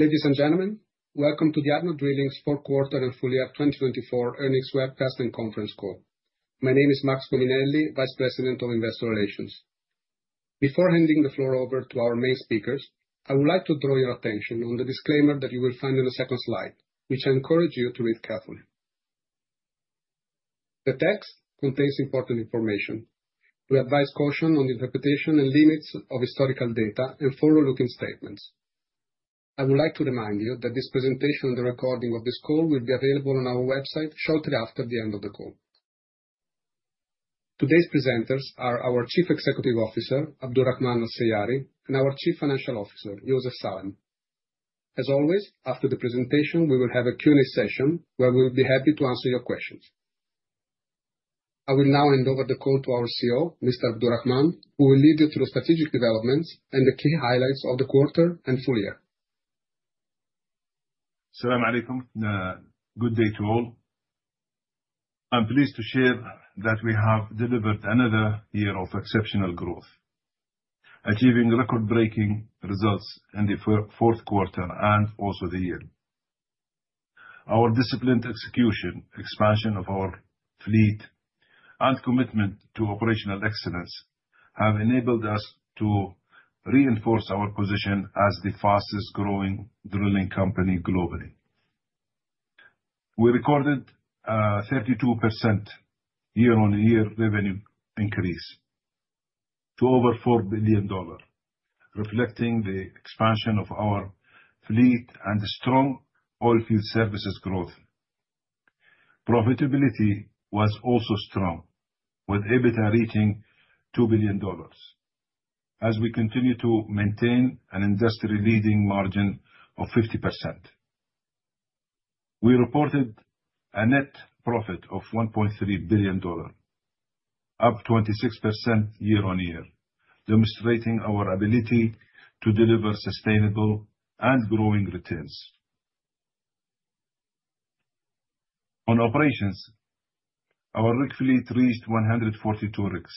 Ladies and gentlemen, welcome to the ADNOC Drilling's Fourth Quarter and Full Year 2024 Earnings Webcast and Conference Call. My name is Max Cominelli, Vice President of Investor Relations. Before handing the floor over to our main speakers, I would like to draw your attention on the disclaimer that you will find on the second slide, which I encourage you to read carefully. The text contains important information. We advise caution on the interpretation and limits of historical data and forward-looking statements. I would like to remind you that this presentation and the recording of this call will be available on our website shortly after the end of the call. Today's presenters are our Chief Executive Officer, Abdulrahman Al Seiari, and our Chief Financial Officer, Youssef Salem. As always, after the presentation, we will have a Q&A session where we will be happy to answer your questions. I will now hand over the call to our CEO, Mr. Abdulrahman, who will lead you through strategic developments and the key highlights of the quarter and full year. Assalamu Alaikum. Good day to all. I'm pleased to share that we have delivered another year of exceptional growth, achieving record-breaking results in the fourth quarter and also the year. Our disciplined execution, expansion of our fleet, and commitment to operational excellence have enabled us to reinforce our position as the fastest-growing drilling company globally. We recorded a 32% year-on-year revenue increase to over $4 billion, reflecting the expansion of our fleet and strong oilfield services growth. Profitability was also strong, with EBITDA reaching $2 billion, as we continue to maintain an industry-leading margin of 50%. We reported a net profit of $1.3 billion, up 26% year-on-year, demonstrating our ability to deliver sustainable and growing returns. On operations, our rig fleet reached 142 rigs,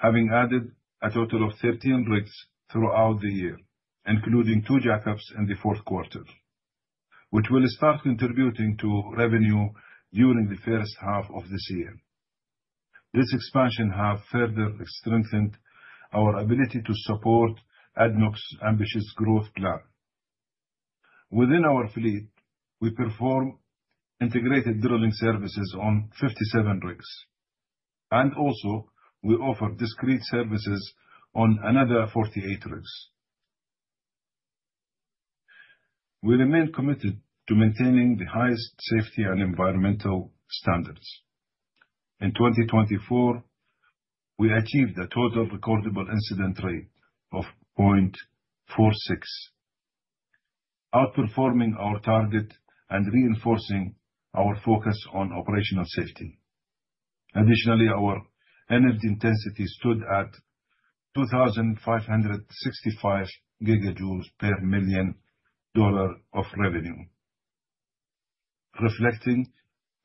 having added a total of 13 rigs throughout the year, including two jack-ups in the fourth quarter, which will start contributing to revenue during the first half of this year. This expansion has further strengthened our ability to support ADNOC's ambitious growth plan. Within our fleet, we perform integrated drilling services on 57 rigs, and also, we offer discrete services on another 48 rigs. We remain committed to maintaining the highest safety and environmental standards. In 2024, we achieved a total recordable incident rate of 0.46, outperforming our target and reinforcing our focus on operational safety. Additionally, our energy intensity stood at 2,565 gigajoules per $1 million of revenue, reflecting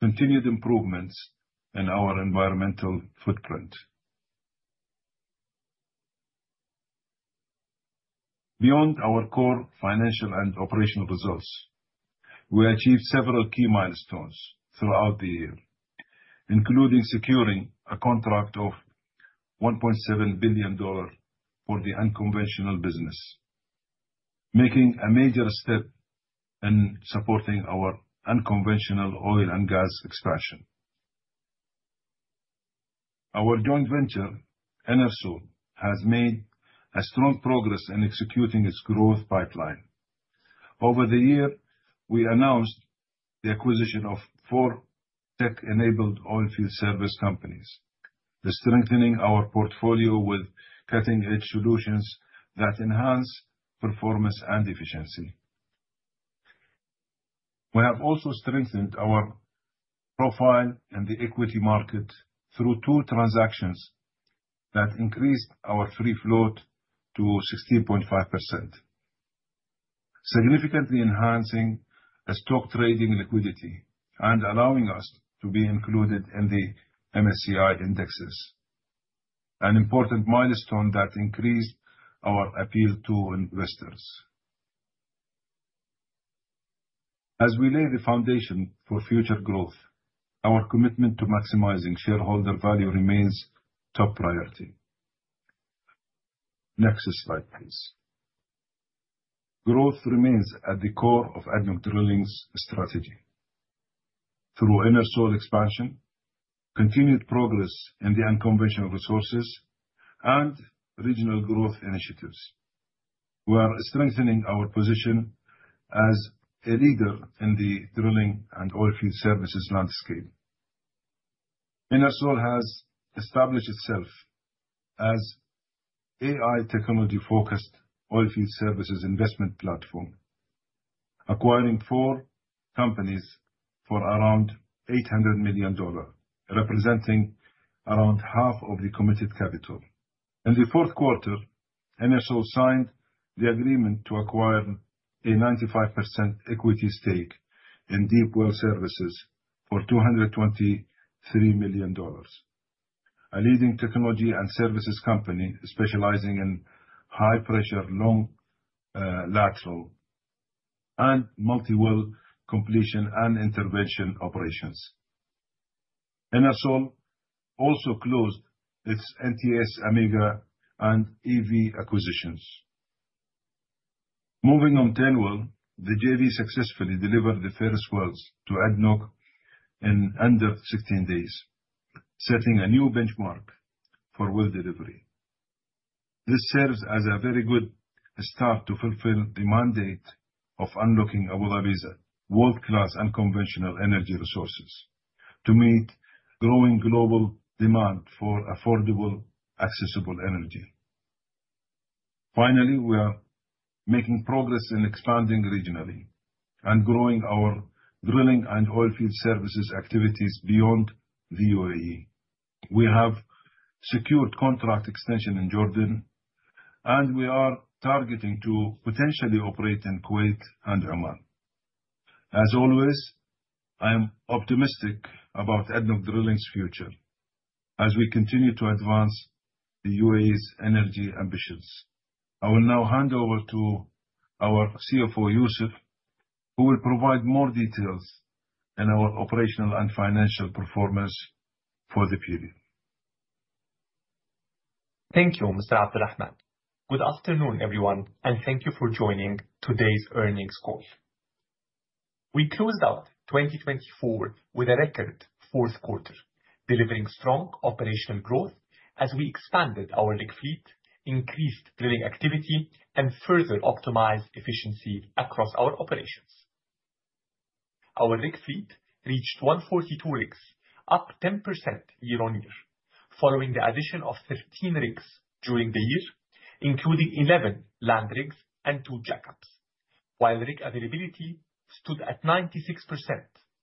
continued improvements in our environmental footprint. Beyond our core financial and operational results, we achieved several key milestones throughout the year, including securing a contract of $1.7 billion for the unconventional business, making a major step in supporting our unconventional oil and gas expansion. Our joint venture, Enersol, has made strong progress in executing its growth pipeline. Over the year, we announced the acquisition of four tech-enabled oilfield service companies, strengthening our portfolio with cutting-edge solutions that enhance performance and efficiency. We have also strengthened our profile in the equity market through two transactions that increased our free float to 16.5%, significantly enhancing stock trading liquidity and allowing us to be included in the MSCI indexes, an important milestone that increased our appeal to investors. As we lay the foundation for future growth, our commitment to maximizing shareholder value remains top priority. Next slide, please. Growth remains at the core of ADNOC Drilling's strategy. Through Enersol expansion, continued progress in the unconventional resources, and regional growth initiatives, we are strengthening our position as a leader in the drilling and oilfield services landscape. Enersol has established itself as an AI technology-focused oilfield services investment platform, acquiring four companies for around $800 million, representing around half of the committed capital. In the fourth quarter, Enersol signed the agreement to acquire a 95% equity stake in Deep Well Services for $223 million, a leading technology and services company specializing in high-pressure long lateral and multi-well completion and intervention operations. Enersol also closed its NTS Amega and EV acquisitions. Moving on Turnwell, the JV successfully delivered the first wells to ADNOC in under 16 days, setting a new benchmark for well delivery. This serves as a very good start to fulfill the mandate of unlocking Abu Dhabi, the world-class unconventional energy resources, to meet growing global demand for affordable, accessible energy. Finally, we are making progress in expanding regionally and growing our drilling and oilfield services activities beyond the UAE. We have secured contract extension in Jordan, and we are targeting to potentially operate in Kuwait and Oman. As always, I am optimistic about ADNOC Drilling's future as we continue to advance the UAE's energy ambitions. I will now hand over to our CFO, Youssef, who will provide more details in our operational and financial performance for the period. Thank you, Mr. Abdulrahman. Good afternoon, everyone, and thank you for joining today's earnings call. We closed out 2024 with a record fourth quarter, delivering strong operational growth as we expanded our rig fleet, increased drilling activity, and further optimized efficiency across our operations. Our rig fleet reached 142 rigs, up 10% year-on-year, following the addition of 13 rigs during the year, including 11 land rigs and two jack-ups, while rig availability stood at 96%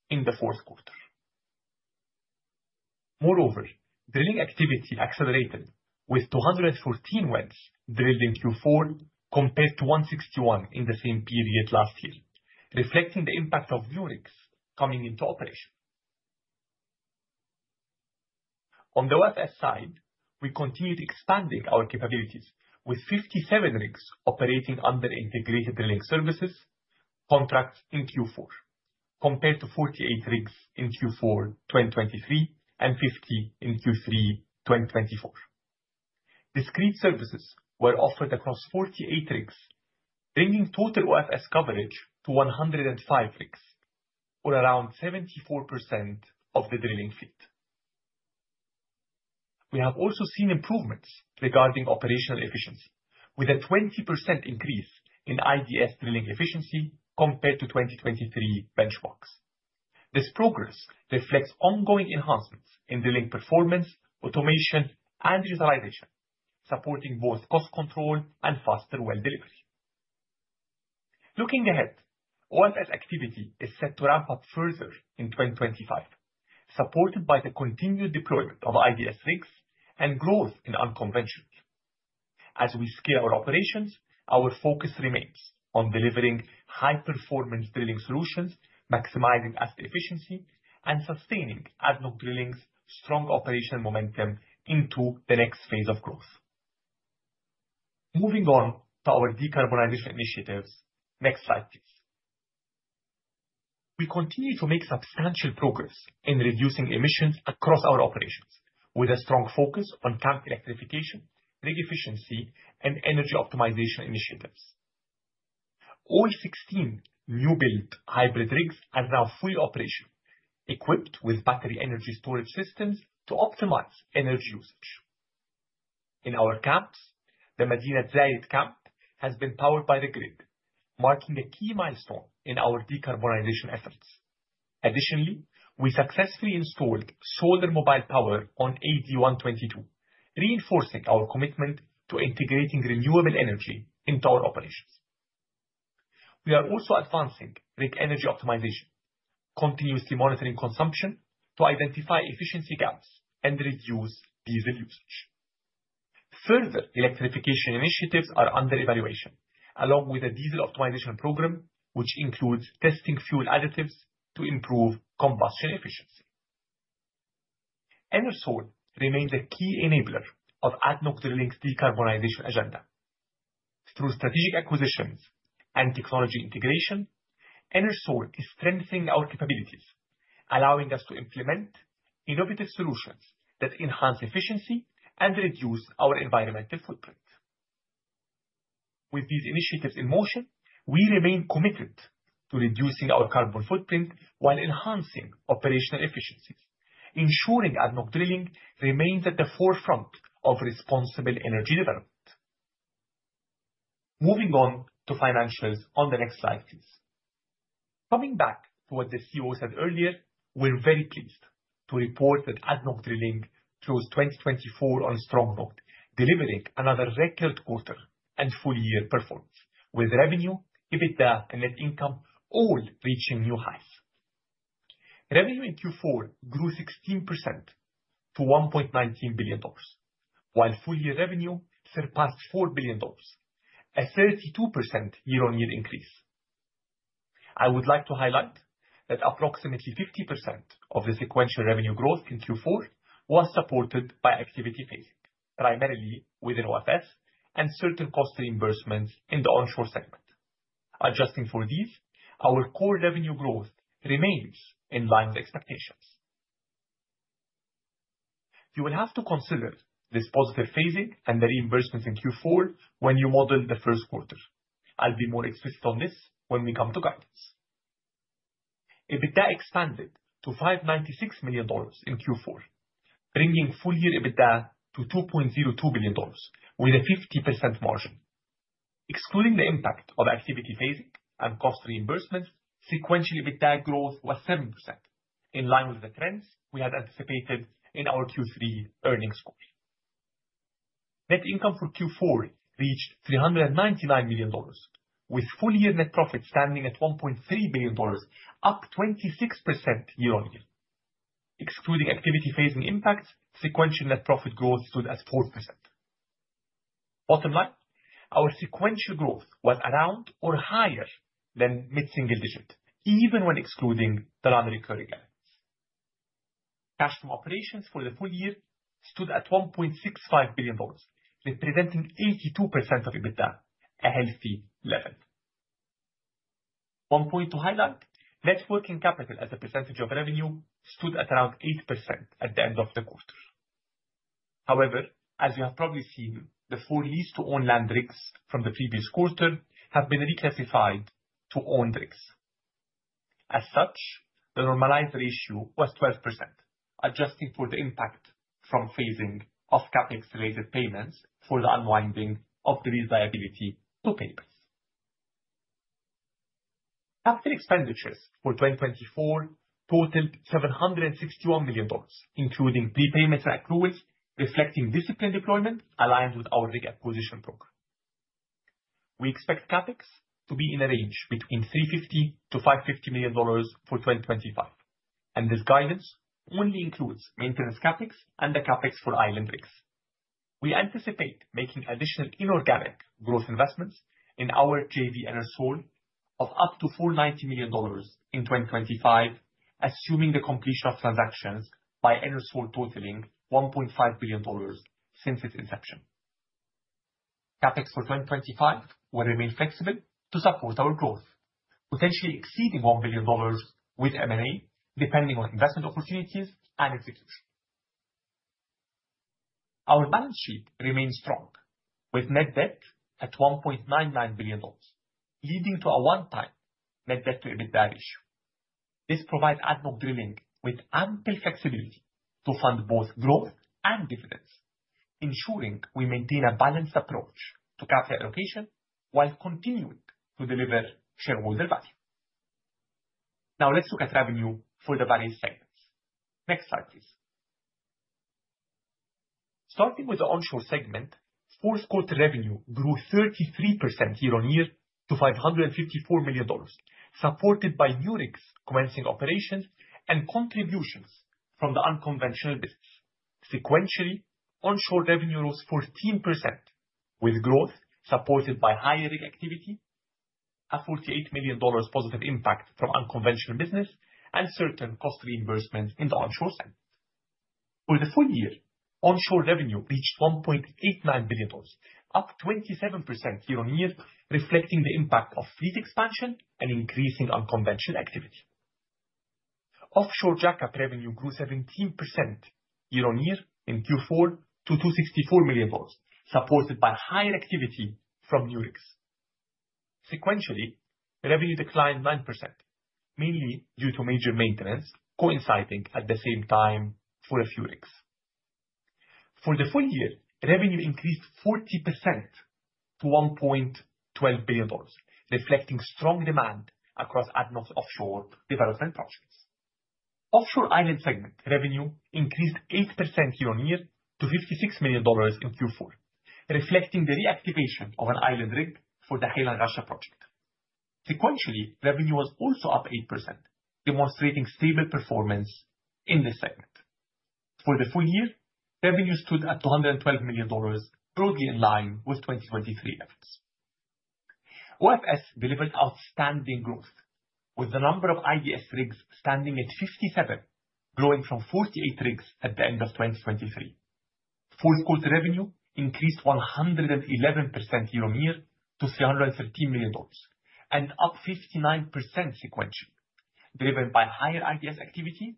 in the fourth quarter. Moreover, drilling activity accelerated with 214 wells drilled in Q4 compared to 161 in the same period last year, reflecting the impact of new rigs coming into operation. On the OFS side, we continued expanding our capabilities with 57 rigs operating under integrated drilling services contracts in Q4, compared to 48 rigs in Q4 2023 and 50 in Q3 2024. Discrete services were offered across 48 rigs, bringing total OFS coverage to 105 rigs, or around 74% of the drilling fleet. We have also seen improvements regarding operational efficiency, with a 20% increase in IDS drilling efficiency compared to 2023 benchmarks. This progress reflects ongoing enhancements in drilling performance, automation, and utilization, supporting both cost control and faster well delivery. Looking ahead, OFS activity is set to ramp up further in 2025, supported by the continued deployment of IDS rigs and growth in unconventional. As we scale our operations, our focus remains on delivering high-performance drilling solutions, maximizing asset efficiency, and sustaining ADNOC Drilling's strong operational momentum into the next phase of growth. Moving on to our decarbonization initiatives. Next slide, please. We continue to make substantial progress in reducing emissions across our operations, with a strong focus on camp electrification, rig efficiency, and energy optimization initiatives. All 16 new-built hybrid rigs are now fully operational, equipped with battery energy storage systems to optimize energy usage. In our camps, the Madinat Zaid camp has been powered by the grid, marking a key milestone in our decarbonization efforts. Additionally, we successfully installed solar mobile power on AD122, reinforcing our commitment to integrating renewable energy into our operations. We are also advancing rig energy optimization, continuously monitoring consumption to identify efficiency gaps and reduce diesel usage. Further electrification initiatives are under evaluation, along with a diesel optimization program, which includes testing fuel additives to improve combustion efficiency. Enersol remains a key enabler of ADNOC Drilling's decarbonization agenda. Through strategic acquisitions and technology integration, Enersol is strengthening our capabilities, allowing us to implement innovative solutions that enhance efficiency and reduce our environmental footprint. With these initiatives in motion, we remain committed to reducing our carbon footprint while enhancing operational efficiencies, ensuring ADNOC Drilling remains at the forefront of responsible energy development. Moving on to financials on the next slide, please. Coming back to what the CEO said earlier, we're very pleased to report that ADNOC Drilling closed 2024 on a strong note, delivering another record quarter and full-year performance, with revenue, EBITDA, and net income all reaching new highs. Revenue in Q4 grew 16% to $1.19 billion, while full-year revenue surpassed $4 billion, a 32% year-on-year increase. I would like to highlight that approximately 50% of the sequential revenue growth in Q4 was supported by activity phasing, primarily within OFS and certain cost reimbursements in the onshore segment. Adjusting for these, our core revenue growth remains in line with expectations. You will have to consider this positive phasing and the reimbursements in Q4 when you model the first quarter. I'll be more explicit on this when we come to guidance. EBITDA expanded to $596 million in Q4, bringing full-year EBITDA to $2.02 billion, with a 50% margin. Excluding the impact of activity phasing and cost reimbursements, sequential EBITDA growth was 7%, in line with the trends we had anticipated in our Q3 earnings call. Net income for Q4 reached $399 million, with full-year net profit standing at $1.3 billion, up 26% year-on-year. Excluding activity phasing impacts, sequential net profit growth stood at 4%. Bottom line, our sequential growth was around or higher than mid-single digit, even when excluding the non-recurring elements. Cash from operations for the full year stood at $1.65 billion, representing 82% of EBITDA, a healthy level. One point to highlight, working capital as a percentage of revenue stood at around 8% at the end of the quarter. However, as you have probably seen, the four leased-to-own land rigs from the previous quarter have been reclassified to owned rigs. As such, the normalized ratio was 12%, adjusting for the impact from phasing of capex related payments for the unwinding of the lease liability to payments. Capital expenditures for 2024 totaled $761 million, including prepayments and accruals, reflecting disciplined deployment aligned with our rig acquisition program. We expect capex to be in a range between $350-$550 million for 2025, and this guidance only includes maintenance capex and the capex for island rigs. We anticipate making additional inorganic growth investments in our JV Enersol of up to $490 million in 2025, assuming the completion of transactions by Enersol totaling $1.5 billion since its inception. Capex for 2025 will remain flexible to support our growth, potentially exceeding $1 billion with M&A, depending on investment opportunities and execution. Our balance sheet remains strong, with net debt at $1.99 billion, leading to a 1x net debt-to-EBITDA ratio. This provides ADNOC Drilling with ample flexibility to fund both growth and dividends, ensuring we maintain a balanced approach to capital allocation while continuing to deliver shareholder value. Now, let's look at revenue for the various segments. Next slide, please. Starting with the onshore segment, fourth quarter revenue grew 33% year-on-year to $554 million, supported by new rigs commencing operations and contributions from the unconventional business. Sequentially, onshore revenue rose 14%, with growth supported by higher rig activity, a $48 million positive impact from unconventional business, and certain cost reimbursements in the onshore segment. For the full year, onshore revenue reached $1.89 billion, up 27% year-on-year, reflecting the impact of fleet expansion and increasing unconventional activity. Offshore Jack-up revenue grew 17% year-on-year in Q4 to $264 million, supported by higher activity from new rigs. Sequentially, revenue declined 9%, mainly due to major maintenance coinciding at the same time for a few rigs. For the full year, revenue increased 40% to $1.12 billion, reflecting strong demand across ADNOC's offshore development projects. Offshore island segment revenue increased 8% year-on-year to $56 million in Q4, reflecting the reactivation of an island rig for the Hail and Ghasha project. Sequentially, revenue was also up 8%, demonstrating stable performance in this segment. For the full year, revenue stood at $212 million, broadly in line with 2023 levels. OFS delivered outstanding growth, with the number of IDS rigs standing at 57, growing from 48 rigs at the end of 2023. Fourth quarter revenue increased 111% year-on-year to $313 million, and up 59% sequentially, driven by higher IDS activity,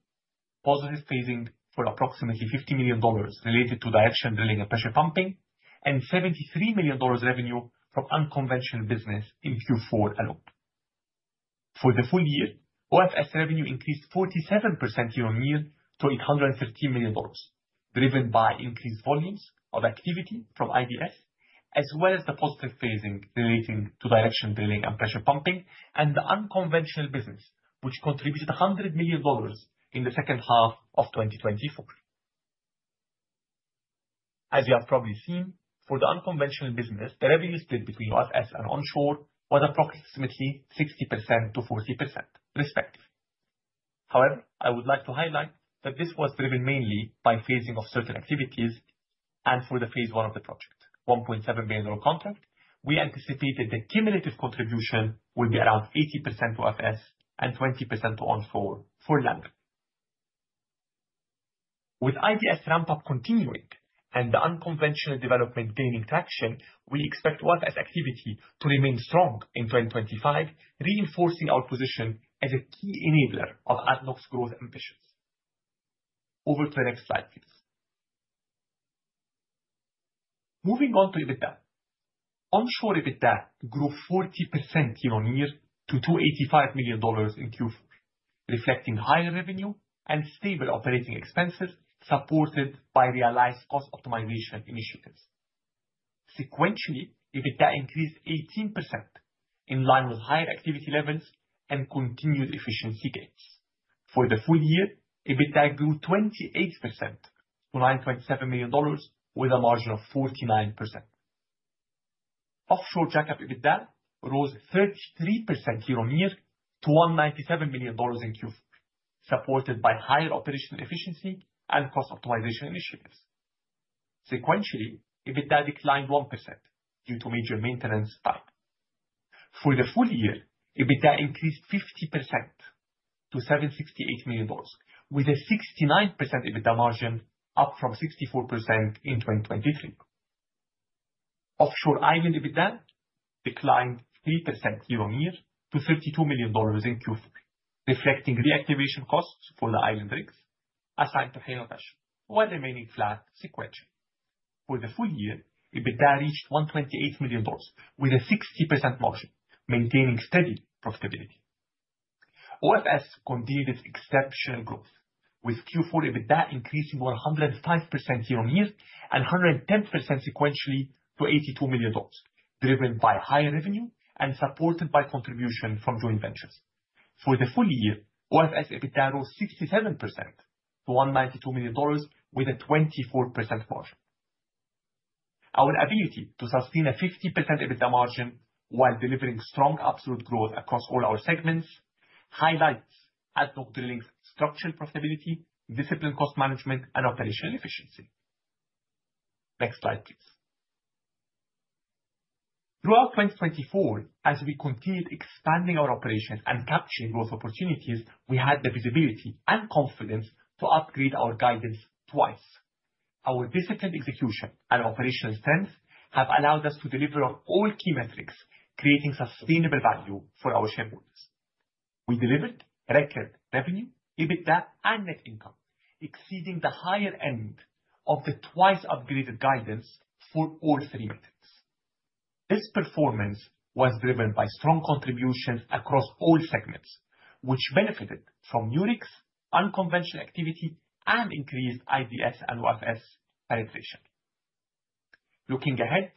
positive phasing for approximately $50 million related to directional drilling and pressure pumping, and $73 million revenue from unconventional business in Q4 alone. For the full year, OFS revenue increased 47% year-on-year to $813 million, driven by increased volumes of activity from IDS, as well as the positive phasing relating to directional drilling and pressure pumping, and the unconventional business, which contributed $100 million in the second half of 2024. As you have probably seen, for the unconventional business, the revenue split between OFS and onshore was approximately 60%-40%, respectively. However, I would like to highlight that this was driven mainly by phasing of certain activities and for the phase one of the project, $1.7 billion contract. We anticipated the cumulative contribution would be around 80% to OFS and 20% to onshore for land rig. With IDS ramp-up continuing and the unconventional development gaining traction, we expect OFS activity to remain strong in 2025, reinforcing our position as a key enabler of ADNOC's growth ambitions. Over to the next slide, please. Moving on to EBITDA. Onshore EBITDA grew 40% year-on-year to $285 million in Q4, reflecting higher revenue and stable operating expenses supported by realized cost optimization initiatives. Sequentially, EBITDA increased 18% in line with higher activity levels and continued efficiency gains. For the full year, EBITDA grew 28% to $927 million, with a margin of 49%. Offshore jack-up EBITDA rose 33% year-on-year to $197 million in Q4, supported by higher operational efficiency and cost optimization initiatives. Sequentially, EBITDA declined 1% due to major maintenance time. For the full year, EBITDA increased 50% to $768 million, with a 69% EBITDA margin up from 64% in 2023. Offshore Island EBITDA declined 3% year-on-year to $32 million in Q4, reflecting reactivation costs for the island rigs assigned to Hail and Ghasha, while remaining flat sequentially. For the full year, EBITDA reached $128 million, with a 60% margin, maintaining steady profitability. OFS continued its exceptional growth, with Q4 EBITDA increasing 105% year-on-year and 110% sequentially to $82 million, driven by higher revenue and supported by contribution from joint ventures. For the full year, OFS EBITDA rose 67% to $192 million, with a 24% margin. Our ability to sustain a 50% EBITDA margin while delivering strong absolute growth across all our segments highlights ADNOC Drilling's structural profitability, disciplined cost management, and operational efficiency. Next slide, please. Throughout 2024, as we continued expanding our operations and capturing growth opportunities, we had the visibility and confidence to upgrade our guidance twice. Our disciplined execution and operational strength have allowed us to deliver on all key metrics, creating sustainable value for our shareholders. We delivered record revenue, EBITDA, and net income, exceeding the higher end of the twice-upgraded guidance for all three metrics. This performance was driven by strong contributions across all segments, which benefited from new rigs, unconventional activity, and increased IDS and OFS penetration. Looking ahead,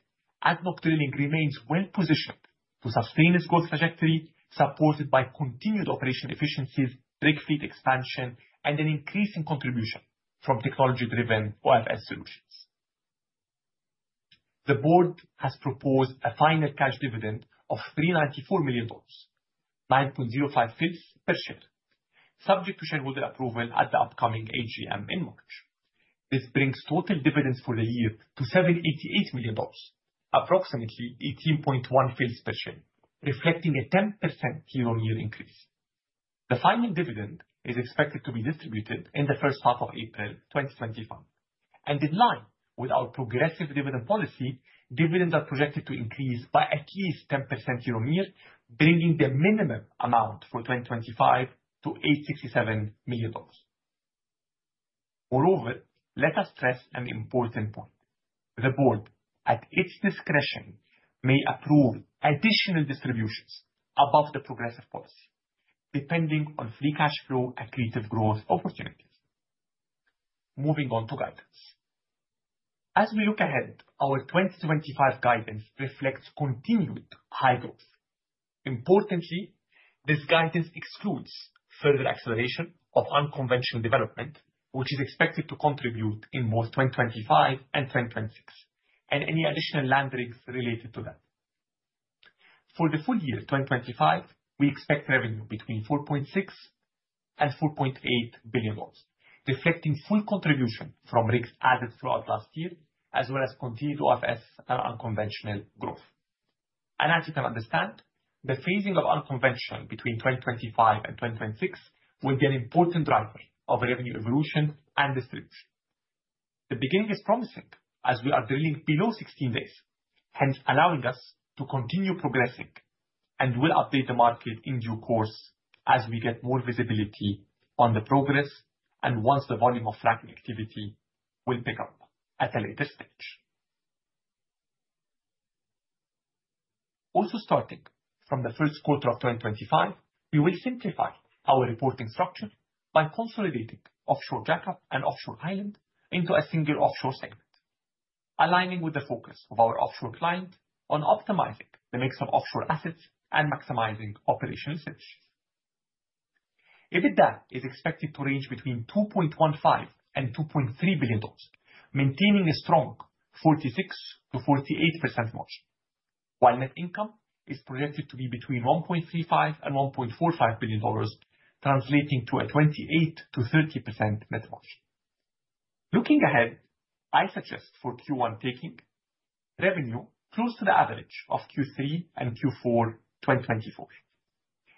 ADNOC Drilling remains well-positioned to sustain its growth trajectory, supported by continued operational efficiencies, rig feed expansion, and an increasing contribution from technology-driven OFS solutions. The board has proposed a final cash dividend of $394 million, $9.05 per share, subject to shareholder approval at the upcoming AGM in March. This brings total dividends for the year to $788 million, approximately $18.1 per share, reflecting a 10% year-on-year increase. The final dividend is expected to be distributed in the first half of April 2025, and in line with our progressive dividend policy, dividends are projected to increase by at least 10% year-on-year, bringing the minimum amount for 2025 to $867 million. Moreover, let us stress an important point. The board, at its discretion, may approve additional distributions above the progressive policy, depending on free cash flow and creative growth opportunities. Moving on to guidance. As we look ahead, our 2025 guidance reflects continued high growth. Importantly, this guidance excludes further acceleration of unconventional development, which is expected to contribute in both 2025 and 2026, and any additional land rigs related to that. For the full year 2025, we expect revenue between $4.6 and $4.8 billion, reflecting full contribution from rigs added throughout last year, as well as continued OFS and unconventional growth, and as you can understand, the phasing of unconventional between 2025 and 2026 will be an important driver of revenue evolution and distribution. The beginning is promising as we are drilling below 16 days, hence allowing us to continue progressing, and will update the market in due course as we get more visibility on the progress and once the volume of fracking activity will pick up at a later stage. Also starting from the first quarter of 2025, we will simplify our reporting structure by consolidating offshore jack-up and offshore island into a single offshore segment, aligning with the focus of our offshore client on optimizing the mix of offshore assets and maximizing operational efficiencies. EBITDA is expected to range between $2.15 and $2.3 billion, maintaining a strong 46%-48% margin, while net income is projected to be between $1.35 and $1.45 billion, translating to a 28%-30% net margin. Looking ahead, I suggest for Q1 taking revenue close to the average of Q3 and Q4 2024,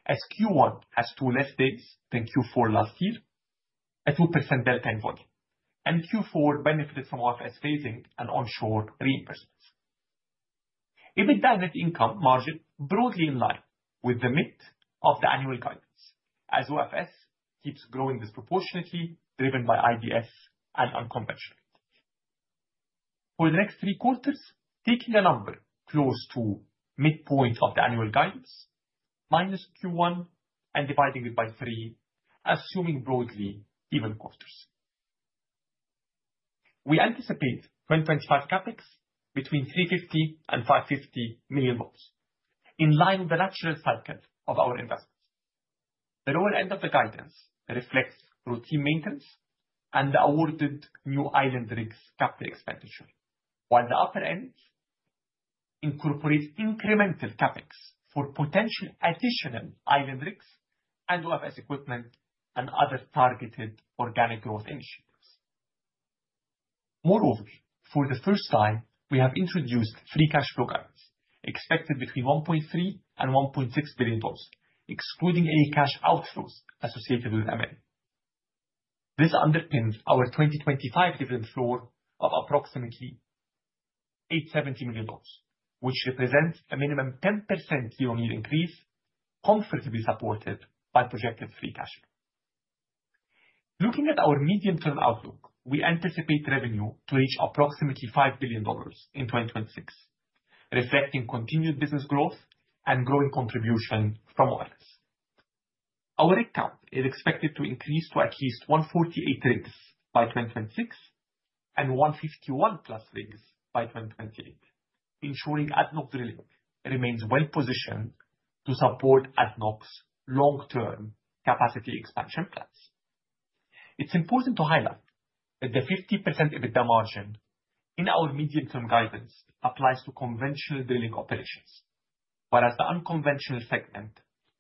as Q1 has two less days than Q4 last year, a 2% delta in volume, and Q4 benefited from OFS phasing and onshore reimbursements. EBITDA net income margin broadly in line with the mid of the annual guidance, as OFS keeps growing disproportionately, driven by IDS and unconventional. For the next three quarters, taking a number close to midpoint of the annual guidance, minus Q1 and dividing it by three, assuming broadly even quarters. We anticipate 2025 CapEx between $350 and $550 million, in line with the natural cycle of our investments. The lower end of the guidance reflects routine maintenance and the awarded new island rigs Capex, while the upper end incorporates incremental Capex for potential additional island rigs and OFS equipment and other targeted organic growth initiatives. Moreover, for the first time, we have introduced free cash flow guidance expected between $1.3 and $1.6 billion, excluding any cash outflows associated with M&A. This underpins our 2025 dividend floor of approximately $870 million, which represents a minimum 10% year-on-year increase, comfortably supported by projected free cash flow. Looking at our medium-term outlook, we anticipate revenue to reach approximately $5 billion in 2026, reflecting continued business growth and growing contribution from OFS. Our fleet is expected to increase to at least 148 rigs by 2026 and 151 plus rigs by 2028, ensuring ADNOC Drilling remains well-positioned to support ADNOC's long-term capacity expansion plans. It's important to highlight that the 50% EBITDA margin in our medium-term guidance applies to conventional drilling operations, whereas the unconventional segment,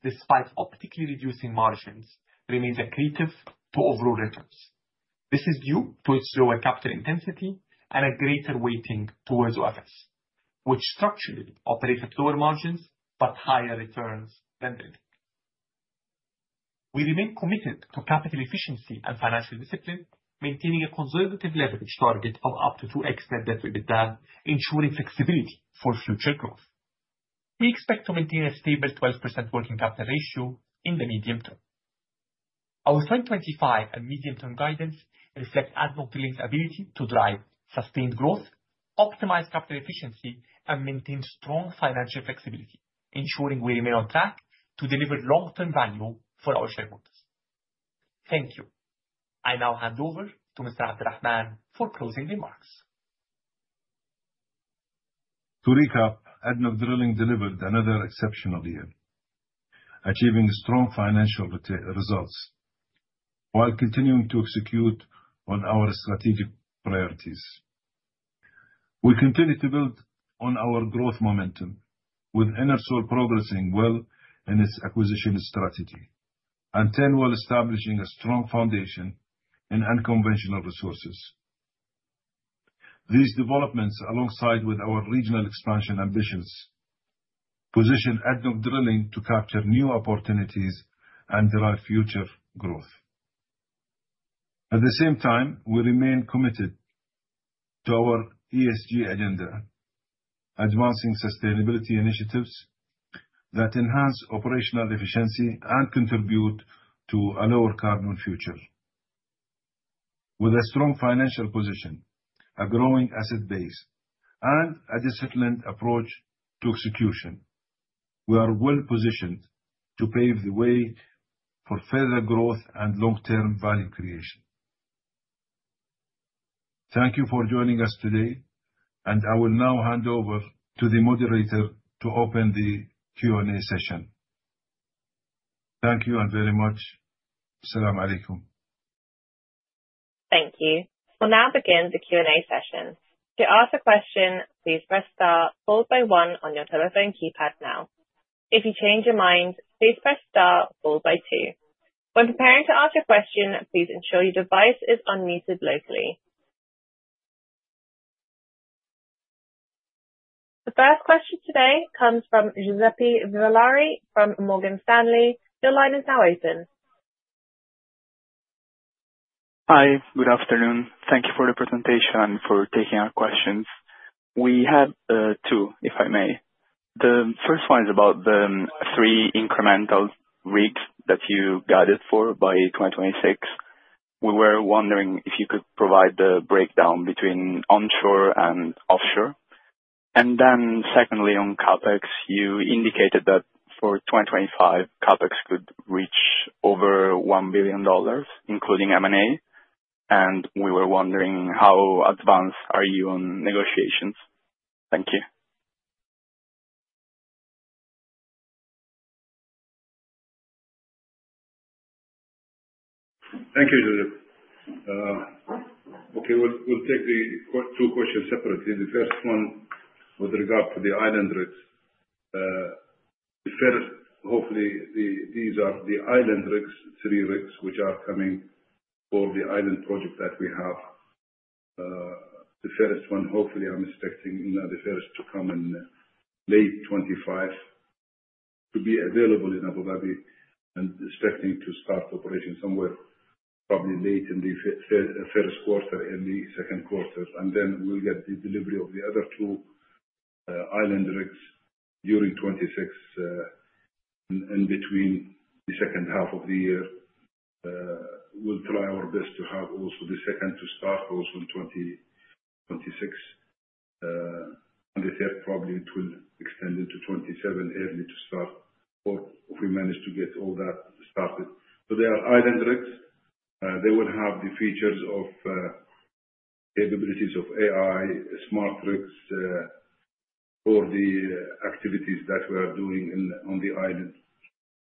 despite optically reducing margins, remains accretive to overall returns. This is due to its lower capital intensity and a greater weighting towards OFS, which structurally operates at lower margins but higher returns than drilling. We remain committed to capital efficiency and financial discipline, maintaining a conservative leverage target of up to 2x net debt-to-EBITDA, ensuring flexibility for future growth. We expect to maintain a stable 12% working capital ratio in the medium term. Our 2025 and medium-term guidance reflect ADNOC Drilling's ability to drive sustained growth, optimize capital efficiency, and maintain strong financial flexibility, ensuring we remain on track to deliver long-term value for our shareholders. Thank you. I now hand over to Mr. Abdulrahman for closing remarks. To recap, ADNOC Drilling delivered another exceptional year, achieving strong financial results while continuing to execute on our strategic priorities. We continue to build on our growth momentum, with Enersol progressing well in its acquisition strategy and Turnwell establishing a strong foundation in unconventional resources. These developments, alongside our regional expansion ambitions, position ADNOC Drilling to capture new opportunities and drive future growth. At the same time, we remain committed to our ESG agenda, advancing sustainability initiatives that enhance operational efficiency and contribute to a lower carbon future. With a strong financial position, a growing asset base, and a disciplined approach to execution, we are well-positioned to pave the way for further growth and long-term value creation. Thank you for joining us today, and I will now hand over to the moderator to open the Q&A session. Thank you very much. Assalamualaikum. Thank you. We'll now begin the Q&A session. To ask a question, please press star 4 by 1 on your telephone keypad now. If you change your mind, please press star 4 by 2. When preparing to ask a question, please ensure your device is unmuted locally. The first question today comes from Giuseppe Vivallari from Morgan Stanley. Your line is now open. Hi, good afternoon. Thank you for the presentation and for taking our questions. We have two, if I may. The first one is about the three incremental rigs that you guided for by 2026. We were wondering if you could provide the breakdown between onshore and offshore. And then secondly, on CapEx, you indicated that for 2025, CapEx could reach over $1 billion, including M&A, and we were wondering how advanced are you on negotiations. Thank you. Thank you, Giuseppe. Okay, we'll take the two questions separately. The first one with regard to the island rigs. The first, hopefully, these are the island rigs, three rigs, which are coming for the island project that we have. The first one, hopefully, I'm expecting the first to come in late 2025 to be available in Abu Dhabi and expecting to start operating somewhere probably late in the first quarter and the second quarter, and then we'll get the delivery of the other two island rigs during 2026 and between the second half of the year. We'll try our best to have also the second to start also in 2026, and the third, probably it will extend into 2027 early to start, or if we manage to get all that started, so they are island rigs. They will have the features of capabilities of AI, smart rigs for the activities that we are doing on the island.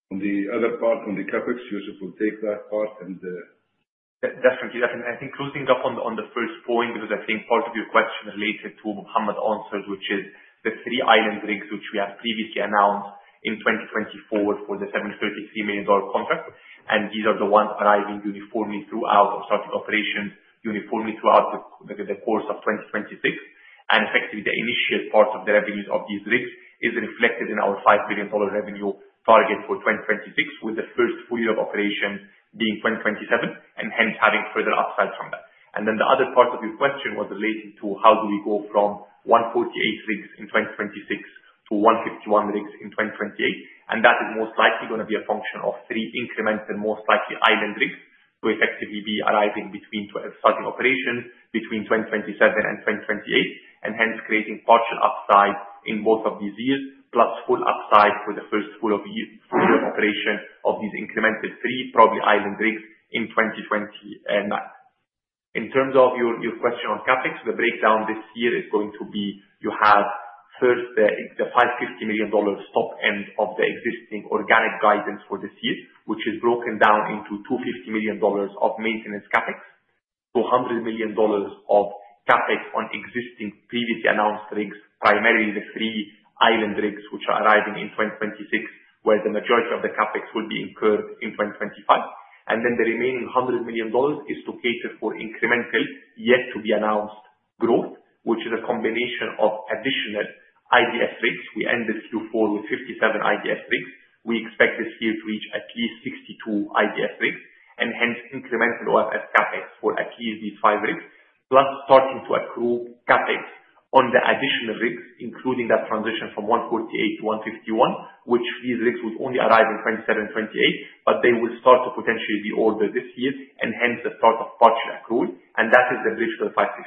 On the other part, on the Capex, Youssef will take that part and. Definitely. And I think closing up on the first point, because I think part of your question related to Mohamed answers, which is the three island rigs which we have previously announced in 2024 for the $733 million contract. And these are the ones arriving uniformly throughout or starting operations uniformly throughout the course of 2026. And effectively, the initial part of the revenues of these rigs is reflected in our $5 billion revenue target for 2026, with the first full year of operations being 2027 and hence having further upside from that. And then the other part of your question was related to how do we go from 148 rigs in 2026 to 151 rigs in 2028? That is most likely going to be a function of three incremental, most likely island rigs to effectively be arriving between starting operations between 2027 and 2028, and hence creating partial upside in both of these years, plus full upside for the first full year of operation of these incremental three, probably island rigs in 2029. In terms of your question on CapEx, the breakdown this year is going to be you have first the $550 million top end of the existing organic guidance for this year, which is broken down into $250 million of maintenance CapEx, $200 million of CapEx on existing previously announced rigs, primarily the three island rigs which are arriving in 2026, where the majority of the CapEx will be incurred in 2025. And then the remaining $100 million is to cater for incremental yet to be announced growth, which is a combination of additional IDS rigs. We ended Q4 with 57 IDS rigs. We expect this year to reach at least 62 IDS rigs and hence incremental OFS CapEx for at least these five rigs, plus starting to accrue CapEx on the additional rigs, including that transition from 148 to 151, which these rigs would only arrive in 2027 and 2028, but they will start to potentially be ordered this year and hence the start of partial accrual. And that is the bridge to the $550.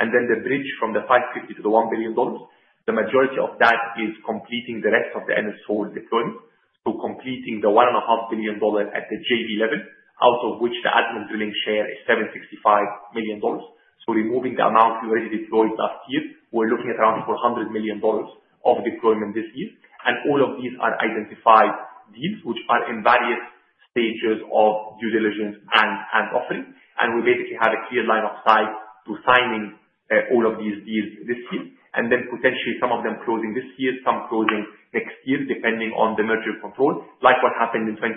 And then the bridge from the $550 to the $1 billion, the majority of that is completing the rest of the Enersol deployment, so completing the $1.5 billion at the JV level, out of which the ADNOC Drilling share is $765 million. So removing the amount we already deployed last year, we're looking at around $400 million of deployment this year. And all of these are identified deals which are in various stages of due diligence and offering. And we basically have a clear line of sight to signing all of these deals this year, and then potentially some of them closing this year, some closing next year, depending on the merger control, like what happened in 2024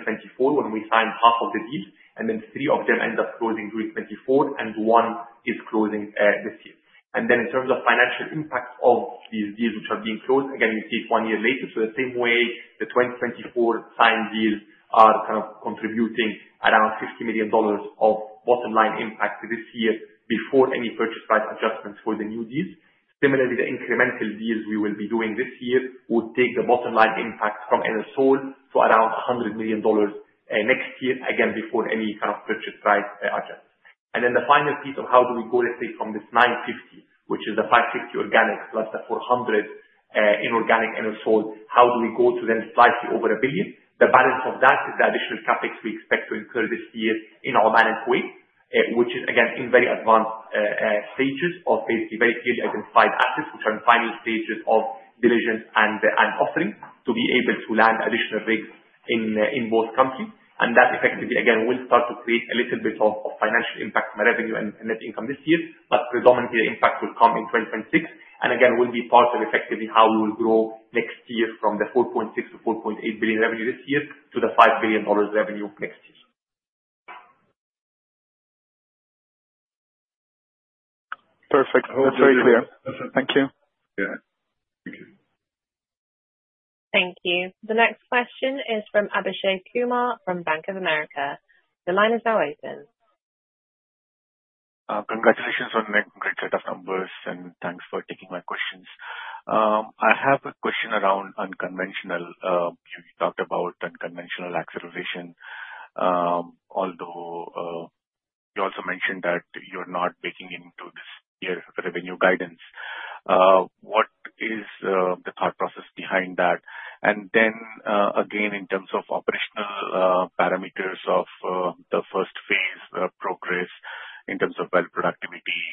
when we signed half of the deals and then three of them end up closing during 2024 and one is closing this year. And then in terms of financial impact of these deals which are being closed, again, we see it one year later. So the same way, the 2024 signed deals are kind of contributing around $50 million of bottom line impact this year before any purchase price adjustments for the new deals. Similarly, the incremental deals we will be doing this year would take the bottom line impact from Enersol to around $100 million next year, again, before any kind of purchase price adjustments. And then the final piece of how do we go, let's say, from this $950, which is the $550 organic plus the $400 in organic Enersol, how do we go to then slightly over a billion? The balance of that is the additional CapEx we expect to incur this year in Oman and Kuwait, which is, again, in very advanced stages of basically very clearly identified assets which are in final stages of diligence and offering to be able to land additional rigs in both countries. And that effectively, again, will start to create a little bit of financial impact on revenue and net income this year, but predominantly the impact will come in 2026. And again, it will be part of effectively how we will grow next year from the $4.6-$4.8 billion revenue this year to the $5 billion revenue next year. Perfect. That's very clear. Thank you. Yeah. Thank you. Thank you. The next question is from Abhishek Kumar from Bank of America. The line is now open. Congratulations on a great set of numbers and thanks for taking my questions. I have a question around unconventional. You talked about unconventional acceleration, although you also mentioned that you're not baking into this year's revenue guidance. What is the thought process behind that? And then again, in terms of operational parameters of the first phase progress in terms of well productivity,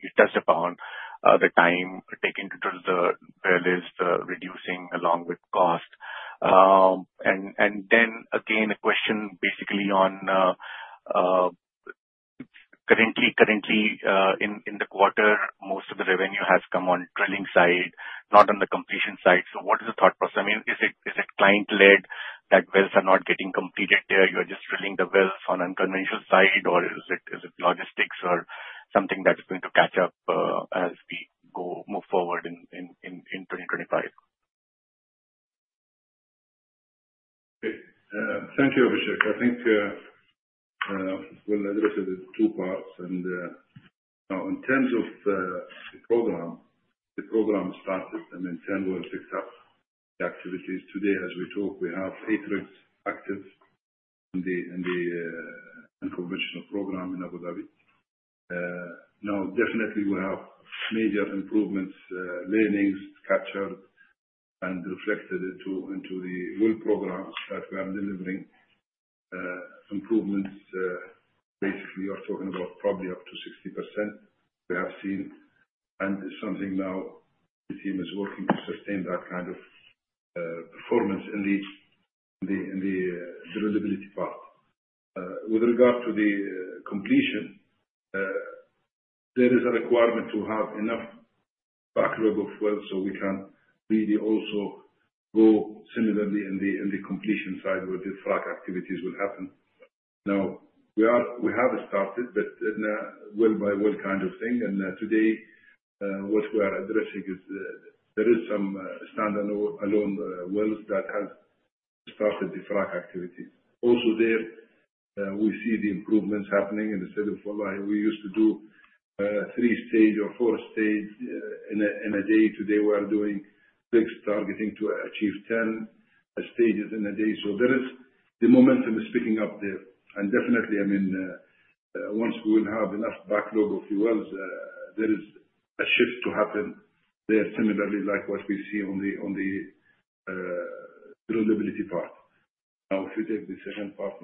you touched upon the time taken to drill the wells, the reducing along with cost. Then again, a question basically on the current quarter, most of the revenue has come on drilling side, not on the completion side. So what is the thought process? I mean, is it client-led that wells are not getting completed there? You're just drilling the wells on unconventional side, or is it logistics or something that's going to catch up as we move forward in 2025? Thank you, Abhishek. I think we'll address it in two parts. Now, in terms of the program, the program started and then Turnwell picks up the activities. Today, as we talk, we have eight rigs active in the unconventional program in Abu Dhabi. Now, definitely, we have major improvements, learnings captured and reflected into the well programs that we are delivering. Improvements, basically, you're talking about probably up to 60% we have seen. It's something now the team is working to sustain that kind of performance in the drilling part. With regard to the completion, there is a requirement to have enough backlog of wells so we can really also go similarly in the completion side where the frac activities will happen. Now, we have started the well-by-well kind of thing. Today, what we are addressing is there is some stand-alone wells that have started the frac activity. Also there, we see the improvements happening. Instead of, well, we used to do three stage or four stage in a day, today we are doing rigs targeting to achieve 10 stages in a day. The momentum is picking up there. Definitely, I mean, once we will have enough backlog of the wells, there is a shift to happen there similarly like what we see on the drilling part. Now, if you take the second part.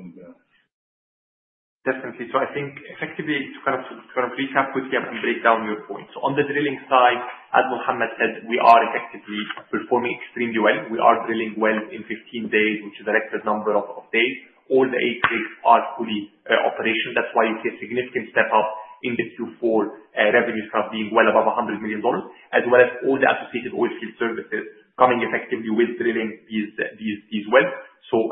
Definitely. So I think effectively, to kind of recap quickly and break down your point. So on the drilling side, as Mohammad said, we are effectively performing extremely well. We are drilling wells in 15 days, which is a record number of days. All the eight rigs are fully operational. That's why you see a significant step up in the Q4 revenues being well above $100 million, as well as all the associated oilfield services coming effectively with drilling these wells.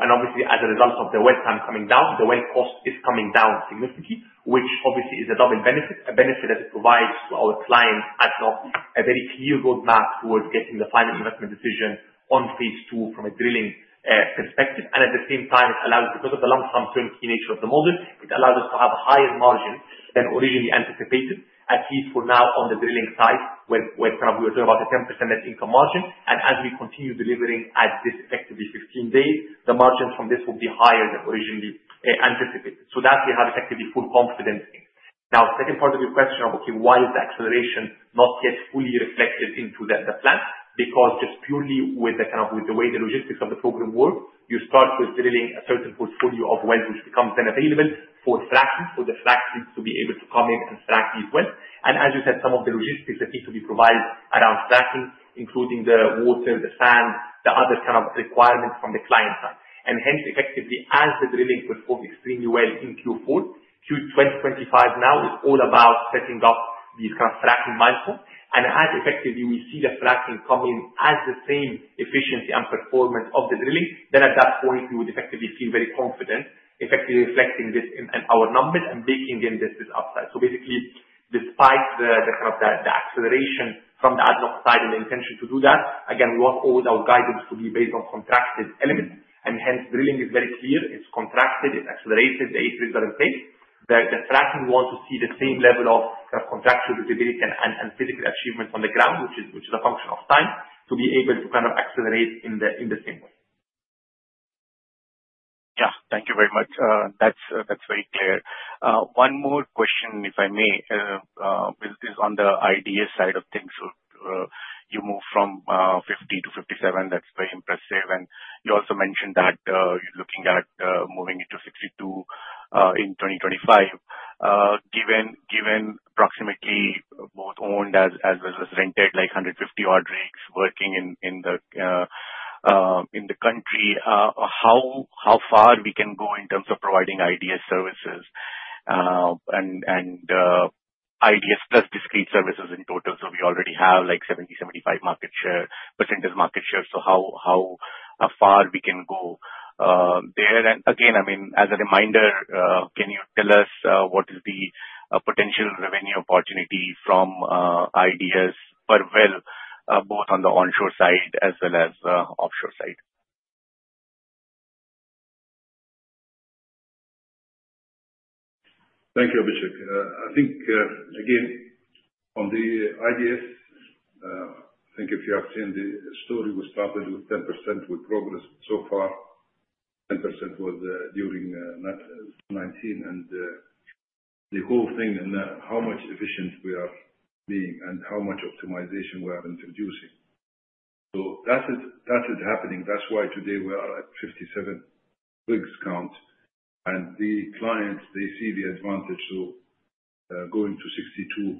And obviously, as a result of the well time coming down, the well cost is coming down significantly, which obviously is a double benefit, a benefit that it provides to our clients. A very clear roadmap towards getting the final investment decision on phase two from a drilling perspective. And at the same time, it allows, because of the Lump Sum Turnkey nature of the model, it allows us to have a higher margin than originally anticipated, at least for now on the drilling side, where kind of we were talking about a 10% net income margin. And as we continue delivering at this effectively 15 days, the margins from this will be higher than originally anticipated. So that we have effectively full confidence in. Now, second part of your question of, okay, why is the acceleration not yet fully reflected into the plan? Because just purely with the kind of way the logistics of the program works, you start with drilling a certain portfolio of wells, which becomes then available for fracking, so the frac needs to be able to come in and frack these wells. And as you said, some of the logistics that need to be provided around fracking, including the water, the sand, the other kind of requirements from the client side. And hence, effectively, as the drilling performs extremely well in Q4, Q2 2025 now is all about setting up these kind of fracking milestones. And as effectively we see the fracking coming as the same efficiency and performance of the drilling, then at that point, we would effectively feel very confident, effectively reflecting this in our numbers and baking in this upside. So basically, despite the kind of the acceleration from the ADNOC side and the intention to do that, again, we want all our guidance to be based on contracted elements. And hence, drilling is very clear. It's contracted, it's accelerated, the eight rigs that it takes. The fracking, we want to see the same level of kind of contractual visibility and physical achievements on the ground, which is a function of time, to be able to kind of accelerate in the same way. Yeah. Thank you very much. That's very clear. One more question, if I may, is on the IDS side of things. So you move from 50 to 57, that's very impressive. And you also mentioned that you're looking at moving into 62 in 2025. Given approximately both owned as well as rented, like 150-odd rigs working in the country, how far we can go in terms of providing IDS services and IDS plus discrete services in total? Sowe already have like 70-75% market share. So how far we can go there? And again, I mean, as a reminder, can you tell us what is the potential revenue opportunity from IDS per well, both on the onshore side as well as offshore side? Thank you, Abhishek. I think, again, on the IDS, I think if you have seen the story, we started with 10% with progress so far. 10% was during 2019. And the whole thing and how much efficient we are being and how much optimization we are introducing. So that is happening. That's why today we are at 57 rig count. And the clients, they see the advantage of going to 62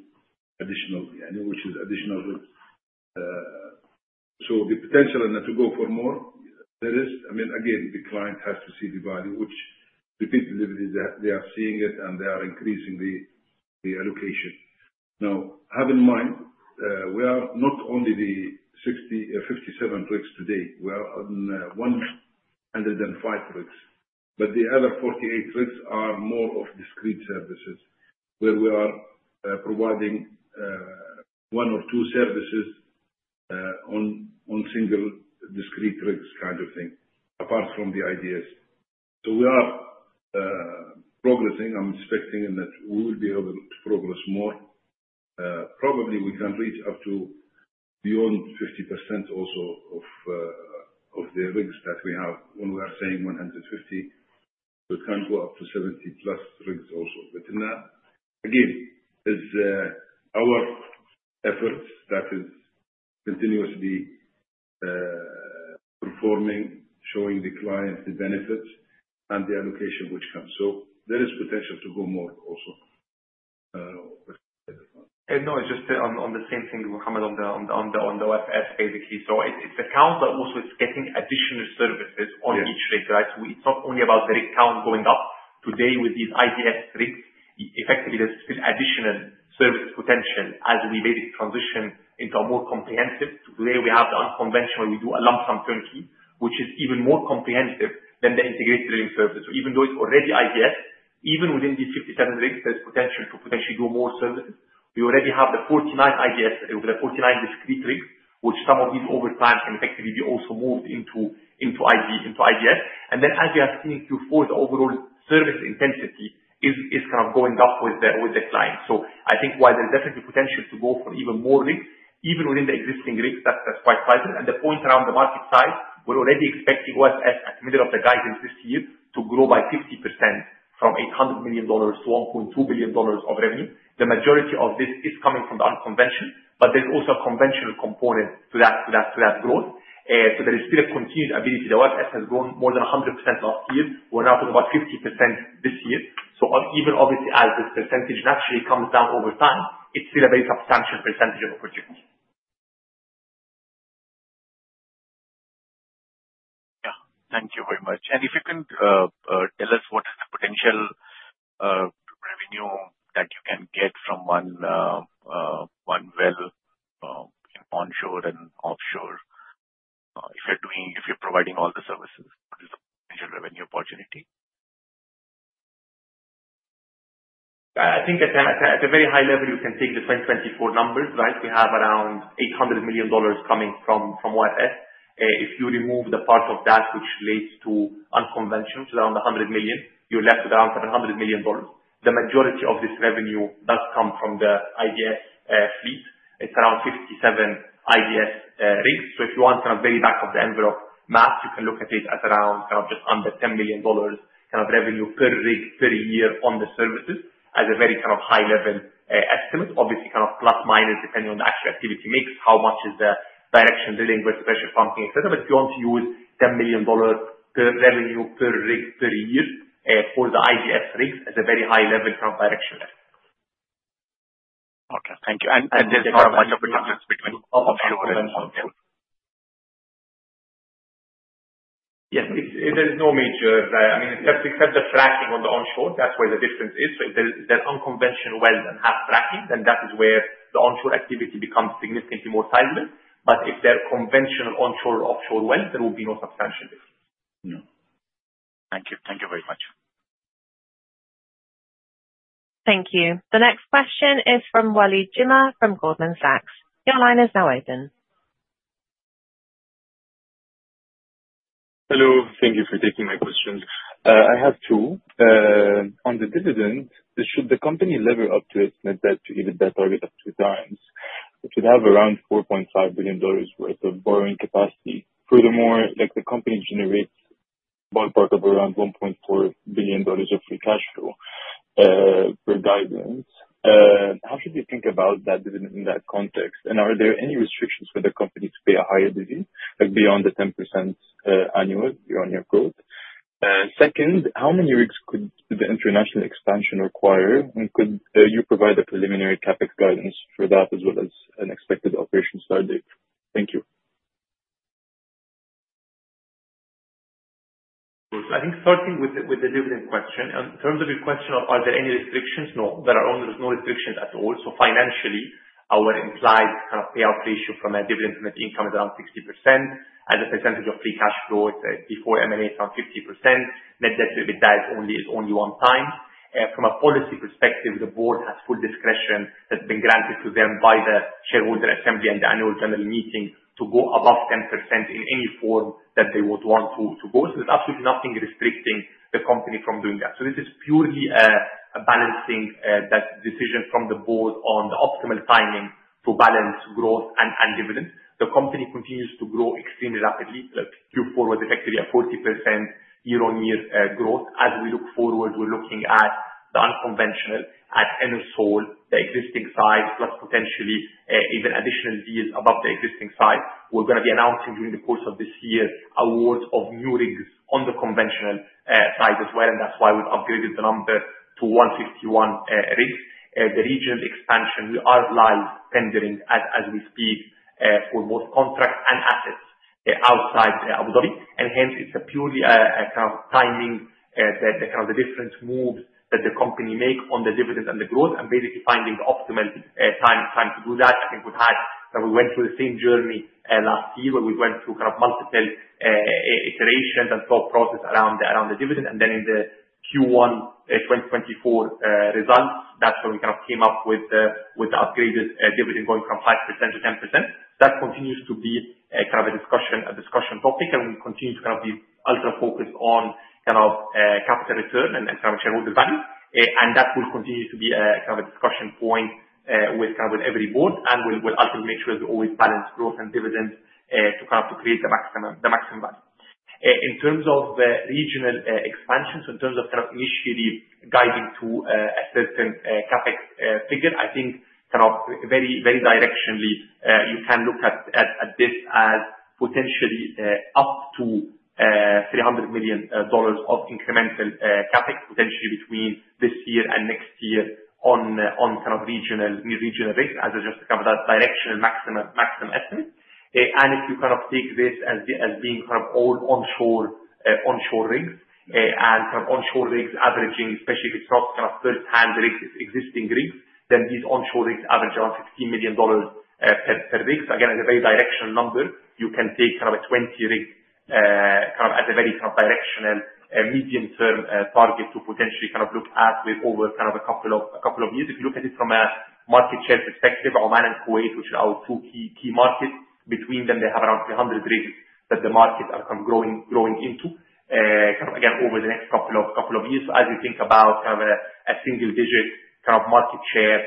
additional, which is additional rigs. So the potential to go for more, there is. I mean, again, the client has to see the value, which repeatedly they are seeing it and they are increasing the allocation. Now, have in mind, we are not only the 57 rigs today. We are 105 rigs, but the other 48 rigs are more of discrete services where we are providing one or two services on single discrete rigs kind of thing apart from the IDS. So we are progressing. I'm expecting that we will be able to progress more. Probably we can reach up to beyond 50% also of the rigs that we have. When we are saying 150, we can go up to 70 plus rigs also. But again, it's our efforts that is continuously performing, showing the client the benefits and the allocation which comes. So there is potential to go more also. and no, it's just on the same thing, Mohammad, on the OFS basically. It's the count that also is getting additional services on each rig, right? It's not only about the count going up. Today, with these IDS rigs, effectively, there's still additional service potential as we basically transition into a more comprehensive. Today, we have the unconventional. We do a lump sum turnkey, which is even more comprehensive than the integrated drilling service. So even though it's already IDS, even within these 57 rigs, there's potential to potentially do more services. We already have the 49 IDS, the 49 discrete rigs, which some of these over time can effectively be also moved into IDS. And then, as you have seen in Q4, the overall service intensity is kind of going up with the client. So I think while there's definitely potential to go for even more rigs, even within the existing rigs, that's quite vibrant. And the point around the market side, we're already expecting OFS at the middle of the guidance this year to grow by 50% from $800 million to $1.2 billion of revenue. The majority of this is coming from the unconventional, but there's also a conventional component to that growth. So there is still a continued ability. The OFS has grown more than 100% last year. We're now talking about 50% this year. So even obviously, as this percentage naturally comes down over time, it's still a very substantial percentage of our project. Yeah. Thank you very much. And if you can tell us what is the potential revenue that you can get from one well onshore and offshore if you're providing all the services, what is the potential revenue opportunity? I think at a very high level, you can take the 2024 numbers, right? We have around $800 million coming from OFS. If you remove the part of that which relates to unconventional, which is around $100 million, you're left with around $700 million. The majority of this revenue does come from the IDS fleet. It's around 57 IDS rigs. So if you want kind of very back of the envelope math, you can look at it as around kind of just under $10 million kind of revenue per rig per year on the services as a very kind of high-level estimate, obviously kind of plus minus depending on the actual activity mix, how much is the directional drilling, pressure pumping, etc. But if you want to use $10 million revenue per rig per year for the IDS rigs as a very high-level kind of directional estimate. Okay. Thank you. And there's not much of a difference between offshore and onshore? Yes. There is no major, I mean, except the fracking on the onshore. That's where the difference is. So if there's unconventional wells and hyd fracking, then that is where the onshore activity becomes significantly more sizable. But if there are conventional onshore or offshore wells, there will be no substantial difference. No. Thank you. Thank you very much. Thank you. The next question is from Wali Juma from Goldman Sachs. Your line is now open. Hello. Thank you for taking my questions. I have two. On the dividend, should the company lever up to its net debt to even that target of two times, it should have around $4.5 billion worth of borrowing capacity. Furthermore, the company generates a ballpark of around $1.4 billion of free cash flow per guidance. How should you think about that dividend in that context? Are there any restrictions for the company to pay a higher dividend beyond the 10% annual year-on-year growth? Second, how many rigs could the international expansion require? And could you provide a preliminary CapEx guidance for that as well as an expected operation start date? Thank you. I think starting with the dividend question, in terms of your question of are there any restrictions? No, there are no restrictions at all. So financially, our implied kind of payout ratio from a dividend from net income is around 60%. As a percentage of free cash flow, it's before M&A is around 50%. Net debt to EBITDA is only one time. From a policy perspective, the board has full discretion that's been granted to them by the shareholder assembly and the annual general meeting to go above 10% in any form that they would want to go. So there's absolutely nothing restricting the company from doing that. So this is purely a balancing decision from the board on the optimal timing to balance growth and dividend. The company continues to grow extremely rapidly. Q4 was effectively a 40% year-on-year growth. As we look forward, we're looking at the unconventional at Enersol, the existing size, plus potentially even additional deals above the existing size. We're going to be announcing during the course of this year awards of new rigs on the conventional side as well. And that's why we've upgraded the number to 151 rigs. The regional expansion, we are live tendering as we speak for both contracts and assets outside Abu Dhabi. And hence, it's purely kind of timing the kind of the different moves that the company makes on the dividend and the growth and basically finding the optimal time to do that. I think we've had kind of we went through the same journey last year where we went through kind of multiple iterations and thought process around the dividend. And then in the Q1 2024 results, that's where we kind of came up with the upgraded dividend going from 5% to 10%. That continues to be kind of a discussion topic. And we continue to kind of be ultra-focused on kind of capital return and kind of shareholder value. And that will continue to be kind of a discussion point with kind of every board. And we'll ultimately make sure to always balance growth and dividend to kind of create the maximum value. In terms of regional expansion, so in terms of kind of initially guiding to a certain CapEx figure, I think kind of very directionally, you can look at this as potentially up to $300 million of incremental CapEx potentially between this year and next year on kind of regional rigs, as I just kind of that directional maximum estimate. And if you kind of take this as being kind of all onshore rigs and kind of onshore rigs averaging, especially if it's not kind of first-hand rigs, it's existing rigs, then these onshore rigs average around $15 million per rig. So again, as a very directional number, you can take kind of a 20-rig kind of as a very kind of directional medium-term target to potentially kind of look at with over kind of a couple of years. If you look at it from a market share perspective, Oman and Kuwait, which are our two key markets, between them, they have around 300 rigs that the markets are kind of growing into kind of again over the next couple of years. So as you think about kind of a single-digit kind of market share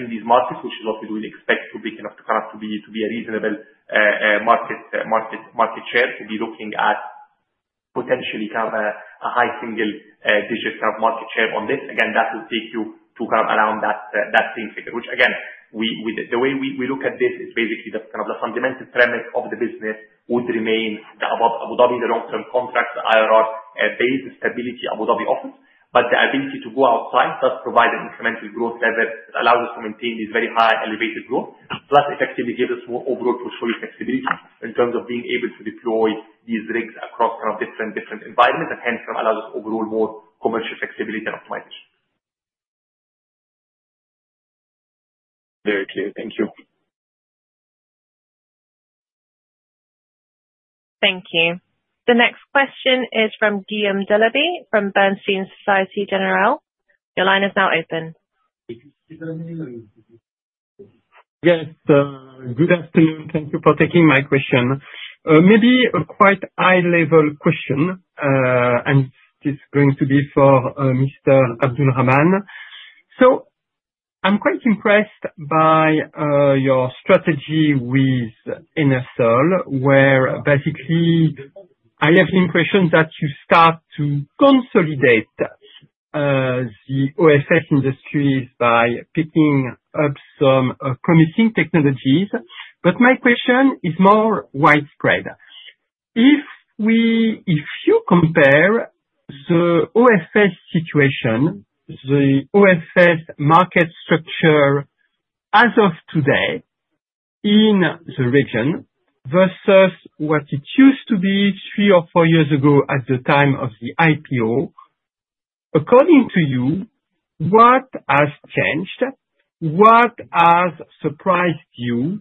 in these markets, which is what we do expect to be kind of to be a reasonable market share, to be looking at potentially kind of a high single-digit kind of market share on this. Again, that will take you to kind of around that same figure, which again, the way we look at this is basically that kind of the fundamental premise of the business would remain the Abu Dhabi, the long-term contracts, the IRR-based stability Abu Dhabi office. But the ability to go outside does provide an incremental growth lever that allows us to maintain this very high elevated growth, plus effectively gives us more overall portfolio flexibility in terms of being able to deploy these rigs across kind of different environments. And hence, kind of allows us overall more commercial flexibility and optimization. Very clear. Thank you. Thank you. The next question is from Guillaume Delaby from Bernstein, Société Générale. Your line is now open. Yes. Good afternoon. Thank you for taking my question. Maybe a quite high-level question, and it's going to be for Mr. Abdulrahman. So I'm quite impressed by your strategy with Enersol, where basically, I have the impression that you start to consolidate the OFS industries by picking up some complementary technologies. But my question is more widespread. If you compare the OFS situation, the OFS market structure as of today in the region versus what it used to be three or four years ago at the time of the IPO, according to you, what has changed? What has surprised you?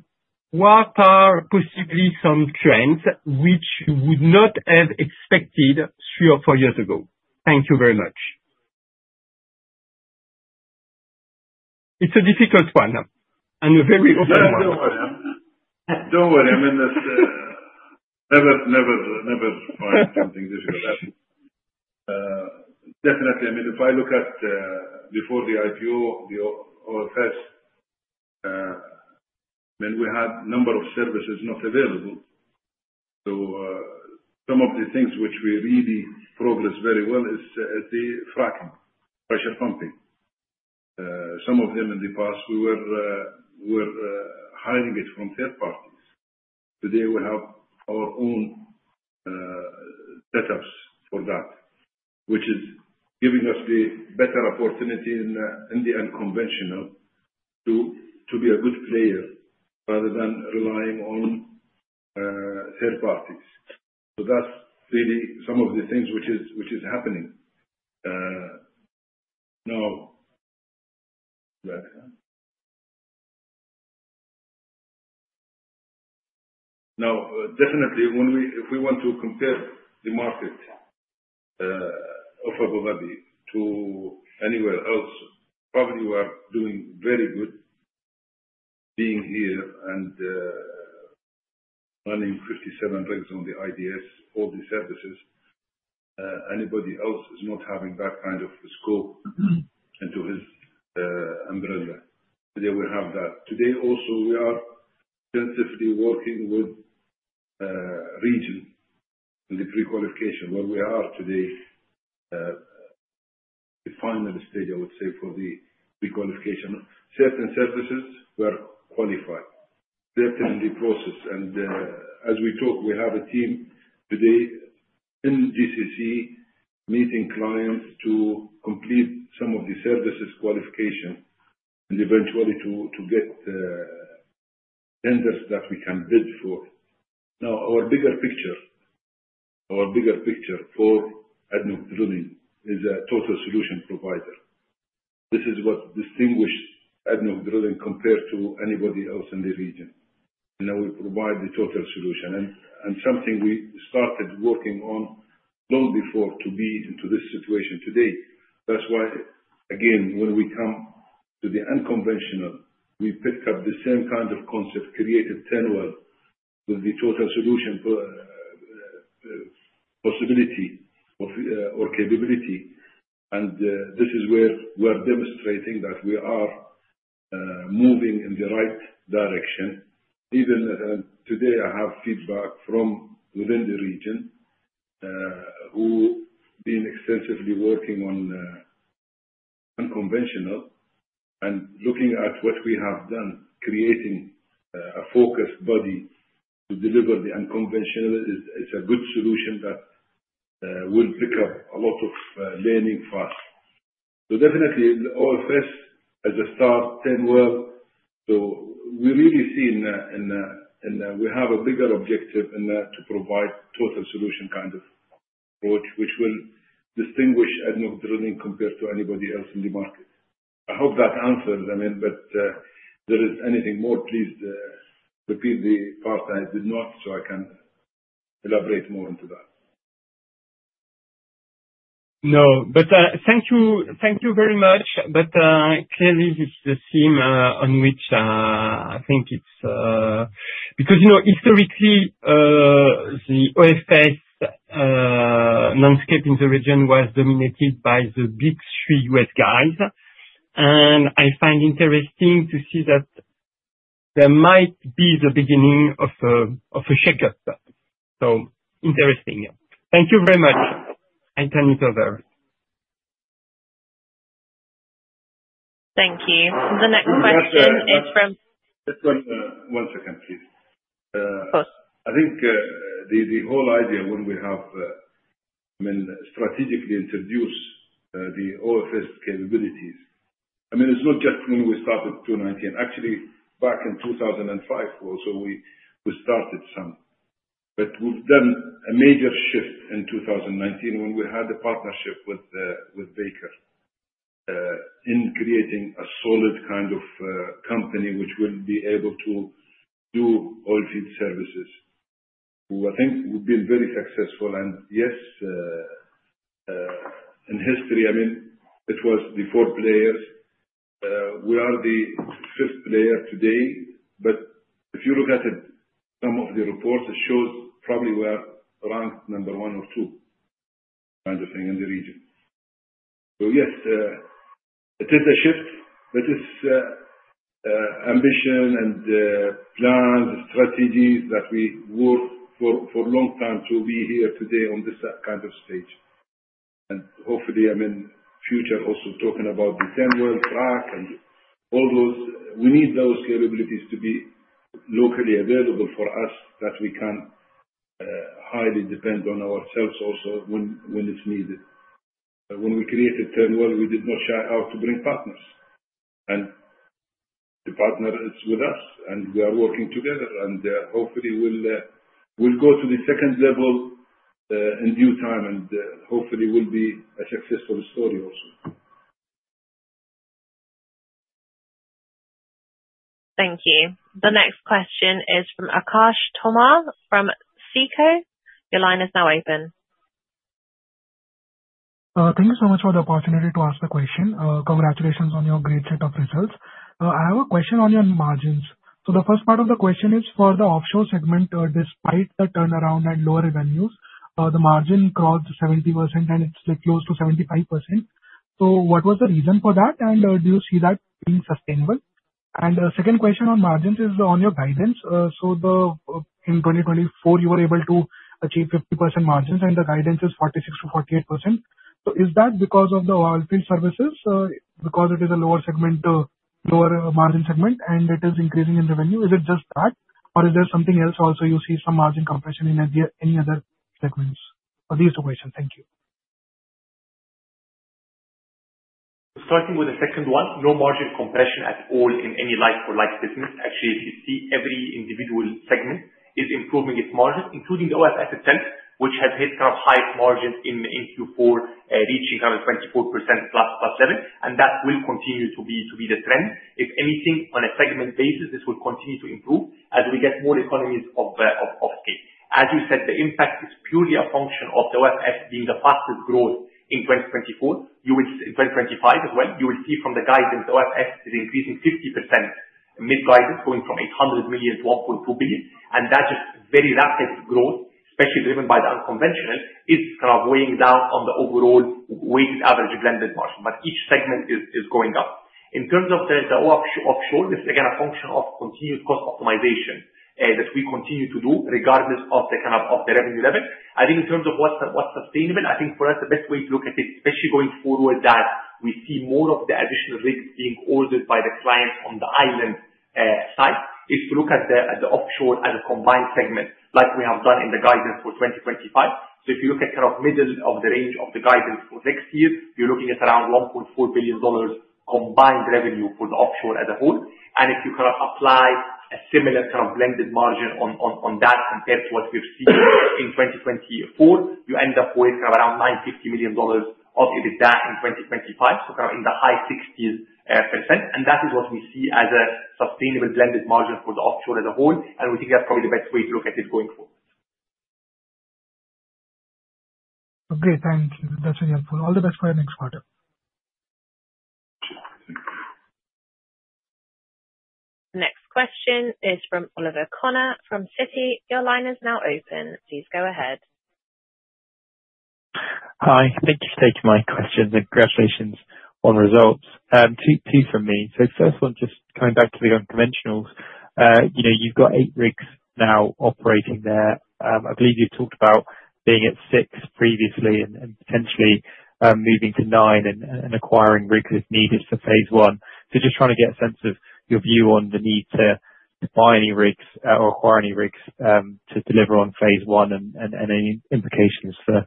What are possibly some trends which you would not have expected three or four years ago? Thank you very much. It's a difficult one and a very open one. No, I don't know. I don't know. I mean, never find something difficult. Definitely. I mean, if I look at before the IPO, the OFS, I mean, we had a number of services not available. So some of the things which we really progressed very well is the fracking, pressure pumping. Some of them in the past, we were hiding it from third parties. Today, we have our own setups for that, which is giving us the better opportunity in the unconventional to be a good player rather than relying on third parties. So that's really some of the things which is happening. Now, definitely, if we want to compare the market of Abu Dhabi to anywhere else, probably we are doing very good being here and running 57 rigs on the IDS, all the services. Anybody else is not having that kind of scope into his umbrella. Today, we have that. Today, also, we are intensively working with region in the pre-qualification, where we are today in the final stage, I would say, for the pre-qualification. Certain services were qualified. Certainly, the process, and as we talk, we have a team today in GCC meeting clients to complete some of the services qualification and eventually to get tenders that we can bid for. Now, our bigger picture, our bigger picture for ADNOC Drilling is a total solution provider. This is what distinguishes ADNOC Drilling compared to anybody else in the region. Now we provide the total solution. Something we started working on long before to be into this situation today. That's why, again, when we come to the unconventional, we picked up the same kind of concept, created Turnwell with the total solution possibility or capability. This is where we're demonstrating that we are moving in the right direction. Even today, I have feedback from within the region who have been extensively working on unconventional and looking at what we have done, creating a focused body to deliver the unconventional. It's a good solution that will pick up a lot of learning fast. Definitely, OFS as a start, Turnwell. So we really see in that we have a bigger objective in that to provide total solution kind of approach, which will distinguish ADNOC Drilling compared to anybody else in the market. I hope that answers, I mean, but if there is anything more, please repeat the part I did not so I can elaborate more intothat. No. But thank you very much. But clearly, this is the theme on which I think it's because historically, the OFS landscape in the region was dominated by the big three U.S. guys. And I find it interesting to see that there might be the beginning of a shakeup. So interesting. Thank you very much. I turn it over. Thank you. The next question is from. Just one second, please. Of course. I think the whole idea when we have, I mean, strategically introduced the OFS capabilities. I mean, it's not just when we started 2019. Actually, back in 2005 also, we started some. But we've done a major shift in 2019 when we had a partnership with Baker in creating a solid kind of company which will be able to do oilfield services, who I think would be very successful. And yes, in history, I mean, it was the four players. We are the fifth player today. But if you look at some of the reports, it shows probably we are ranked number one or two kind of thing in the region. So yes, it is a shift, but it's ambition and plans, strategies that we worked for a long time to be here today on this kind of stage. And hopefully, I mean, future also talking about the Turnwell frack and all those. We need those capabilities to be locally available for us that we can highly depend on ourselves also when it's needed. When we created Turnwell, we did not shy out to bring partners. And the partner is with us, and we are working together. And hopefully, we'll go to the second level in due time, and hopefully, we'll be a successful story also. Thank you. The next question is from Akash Tomar from SICO. Your line is now open. Thank you so much for the opportunity to ask the question. Congratulations on your great set of results. I have a question on your margins. So the first part of the question is for the offshore segment, despite the turnaround and lower revenues, the margin crossed 70%, and it's close to 75%. So what was the reason for that? And do you see that being sustainable? The second question on margins is on your guidance. In 2024, you were able to achieve 50% margins, and the guidance is 46%-48%. Is that because of the oilfield services? Because it is a lower margin segment, and it is increasing in revenue? Is it just that? Or is there something else also you see some margin compression in any other segments? These two questions. Thank you. Starting with the second one, no margin compression at all in any like-for-like business. Actually, if you see every individual segment is improving its margins, including the OFS itself, which has hit kind of highest margins in Q4, reaching kind of 24% plus level. That will continue to be the trend. If anything, on a segment basis, this will continue to improve as we get more economies of scale. As you said, the impact is purely a function of the OFS being the fastest growth in 2024. In 2025 as well, you will see from the guidance, the OFS is increasing 50%, mid-guidance going from $800 million-$1.2 billion. And that just very rapid growth, especially driven by the unconventional, is kind of weighing down on the overall weighted average blended margin. But each segment is going up. In terms of the offshore, this is again a function of continued cost optimization that we continue to do regardless of the kind of revenue level. I think in terms of what's sustainable, I think for us, the best way to look at it, especially going forward, that we see more of the additional rigs being ordered by the clients on the island side, is to look at the offshore as a combined segment, like we have done in the guidance for 2025. So if you look at kind of middle of the range of the guidance for next year, you're looking at around $1.4 billion combined revenue for the offshore as a whole. And if you kind of apply a similar kind of blended margin on that compared to what we've seen in 2024, you end up with kind of around $950 million of EBITDA in 2025, so kind of in the high 60%. And that is what we see as a sustainable blended margin for the offshore as a whole. And we think that's probably the best way to look at it going forward. Okay. Thank you. That's really helpful. All the best for your next quarter. Next question is from Oliver Connor from Citi. Your line is now open. Please go ahead. Hi. Thank you for taking my questions. And congratulations on results. Two from me. So first one, just coming back to the unconventionals, you've got eight rigs now operating there. I believe you've talked about being at six previously and potentially moving to nine and acquiring rigs as needed for phase one. So just trying to get a sense of your view on the need to buy any rigs or acquire any rigs to deliver on phase one and any implications for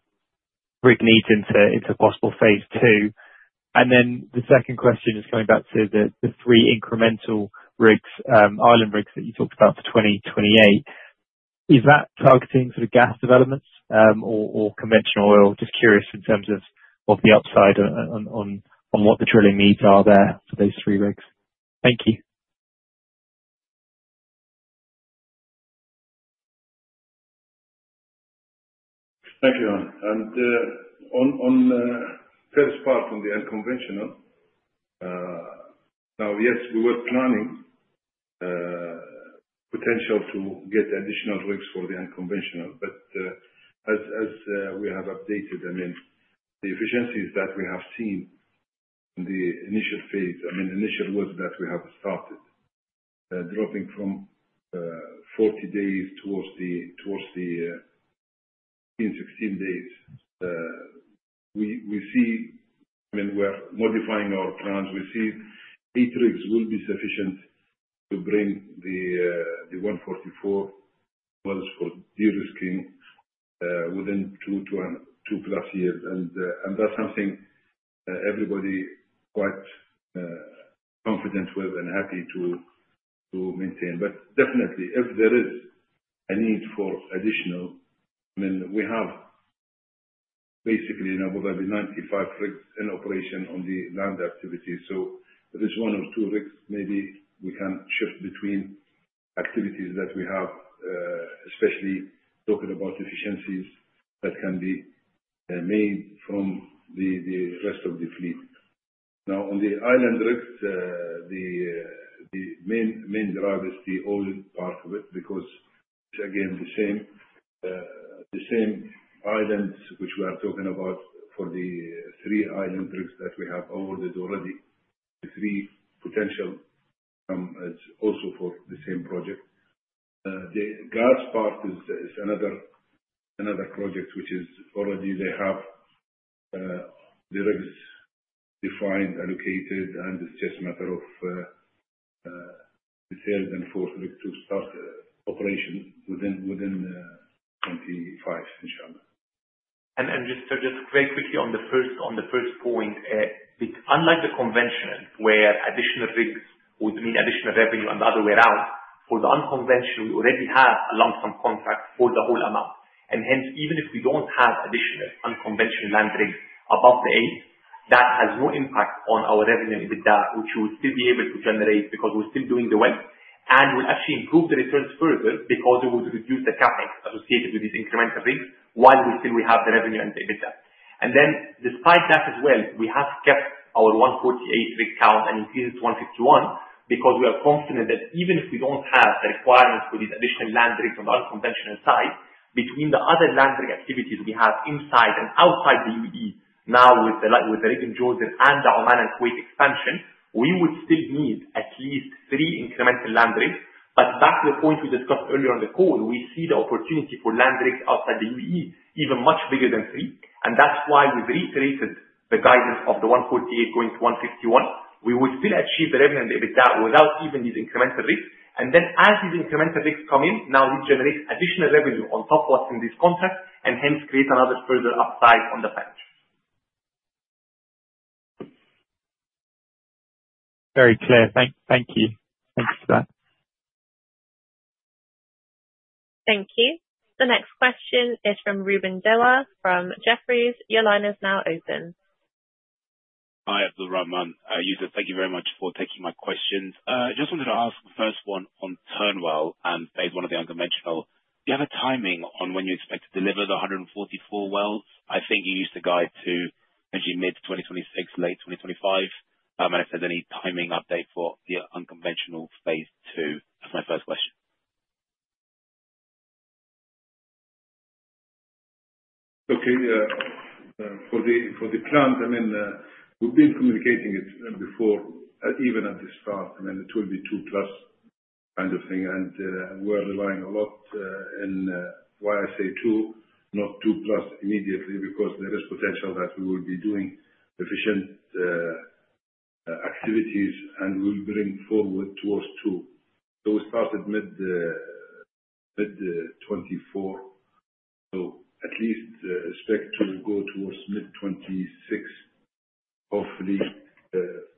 rig needs into possible phase two. And then the second question is coming back to the three incremental rigs, island rigs that you talked about for 2028. Is that targeting sort of gas developments or conventional oil? Just curious in terms of the upside on what the drilling needs are there for those three rigs. Thank you. Thank you, Anne. And on the first part on the unconventional, now, yes, we were planning potential to get additional rigs for the unconventional. But as we have updated, I mean, the efficiencies that we have seen in the initial phase, I mean, initial work that we have started, dropping from 40 days towards the 16 days, we see, I mean, we're modifying our plans. We see eight rigs will be sufficient to bring the $144 for de-risking within two plus years. And that's something everybody quite confident with and happy to maintain. But definitely, if there is a need for additional, I mean, we have basically now probably 95 rigs in operation on the land activity. So if it's one or two rigs, maybe we can shift between activities that we have, especially talking about efficiencies that can be made from the rest of the fleet. Now, on the island rigs, the main drive is the oil part of it because, again, the same islands which we are talking about for the three island rigs that we have ordered already, the three potential is also for the same project. The gas part is another project which is already they have the rigs defined, allocated, and it's just a matter of the third and fourth rig to start operation within 2025, inshallah. And just very quickly on the first point, unlike the conventional where additional rigs would mean additional revenue and the other way around, for the unconventional, we already have a lump sum contract for the whole amount. And hence, even if we don't have additional unconventional land rigs above the eight, that has no impact on our revenue EBITDA, which we would still be able to generate because we're still doing the well. And we'll actually improve the returns further because it would reduce the capex associated with these incremental rigs while we still have the revenue and the EBITDA. And then despite that as well, we have kept our 148 rig count and increased it to 151 because we are confident that even if we don't have the requirements for these additional land rigs on the unconventional side, between the other land rig activities we have inside and outside the UAE, now with the rig in Jordan and the Oman and Kuwait expansion, we would still need at least three incremental land rigs. But back to the point we discussed earlier on the call, we see the opportunity for land rigs outside the UAE even much bigger than three. And that's why we've reiterated the guidance of the 148 going to 151. We would still achieve the revenue and the EBITDA without even these incremental rigs. And then as these incremental rigs come in, now we generate additional revenue on top of what's in this contract and hence create another further upside on the package. Very clear. Thank you. Thanks for that. Thank you. The next question is from Ruben Devilliers from Jefferies. Your line is now open. Hi, Abdulrahman. Youssef, thank you very much for taking my questions. I just wanted to ask the first one on Turnwell and phase one of the unconventional. Do you have a timing on when you expect to deliver the 144 wells? I think you used the guide to actually mid-2026, late 2025. And if there's any timing update for the unconventional phase two, that's my first question. Okay. For the plan, I mean, we've been communicating it before even at the start. I mean, it will be two plus kind of thing. We're relying a lot on why I say two, not two plus immediately because there is potential that we will be doing efficiency activities and we'll bring forward towards two. We started mid-2024. At least expect to go towards mid-2026, hopefully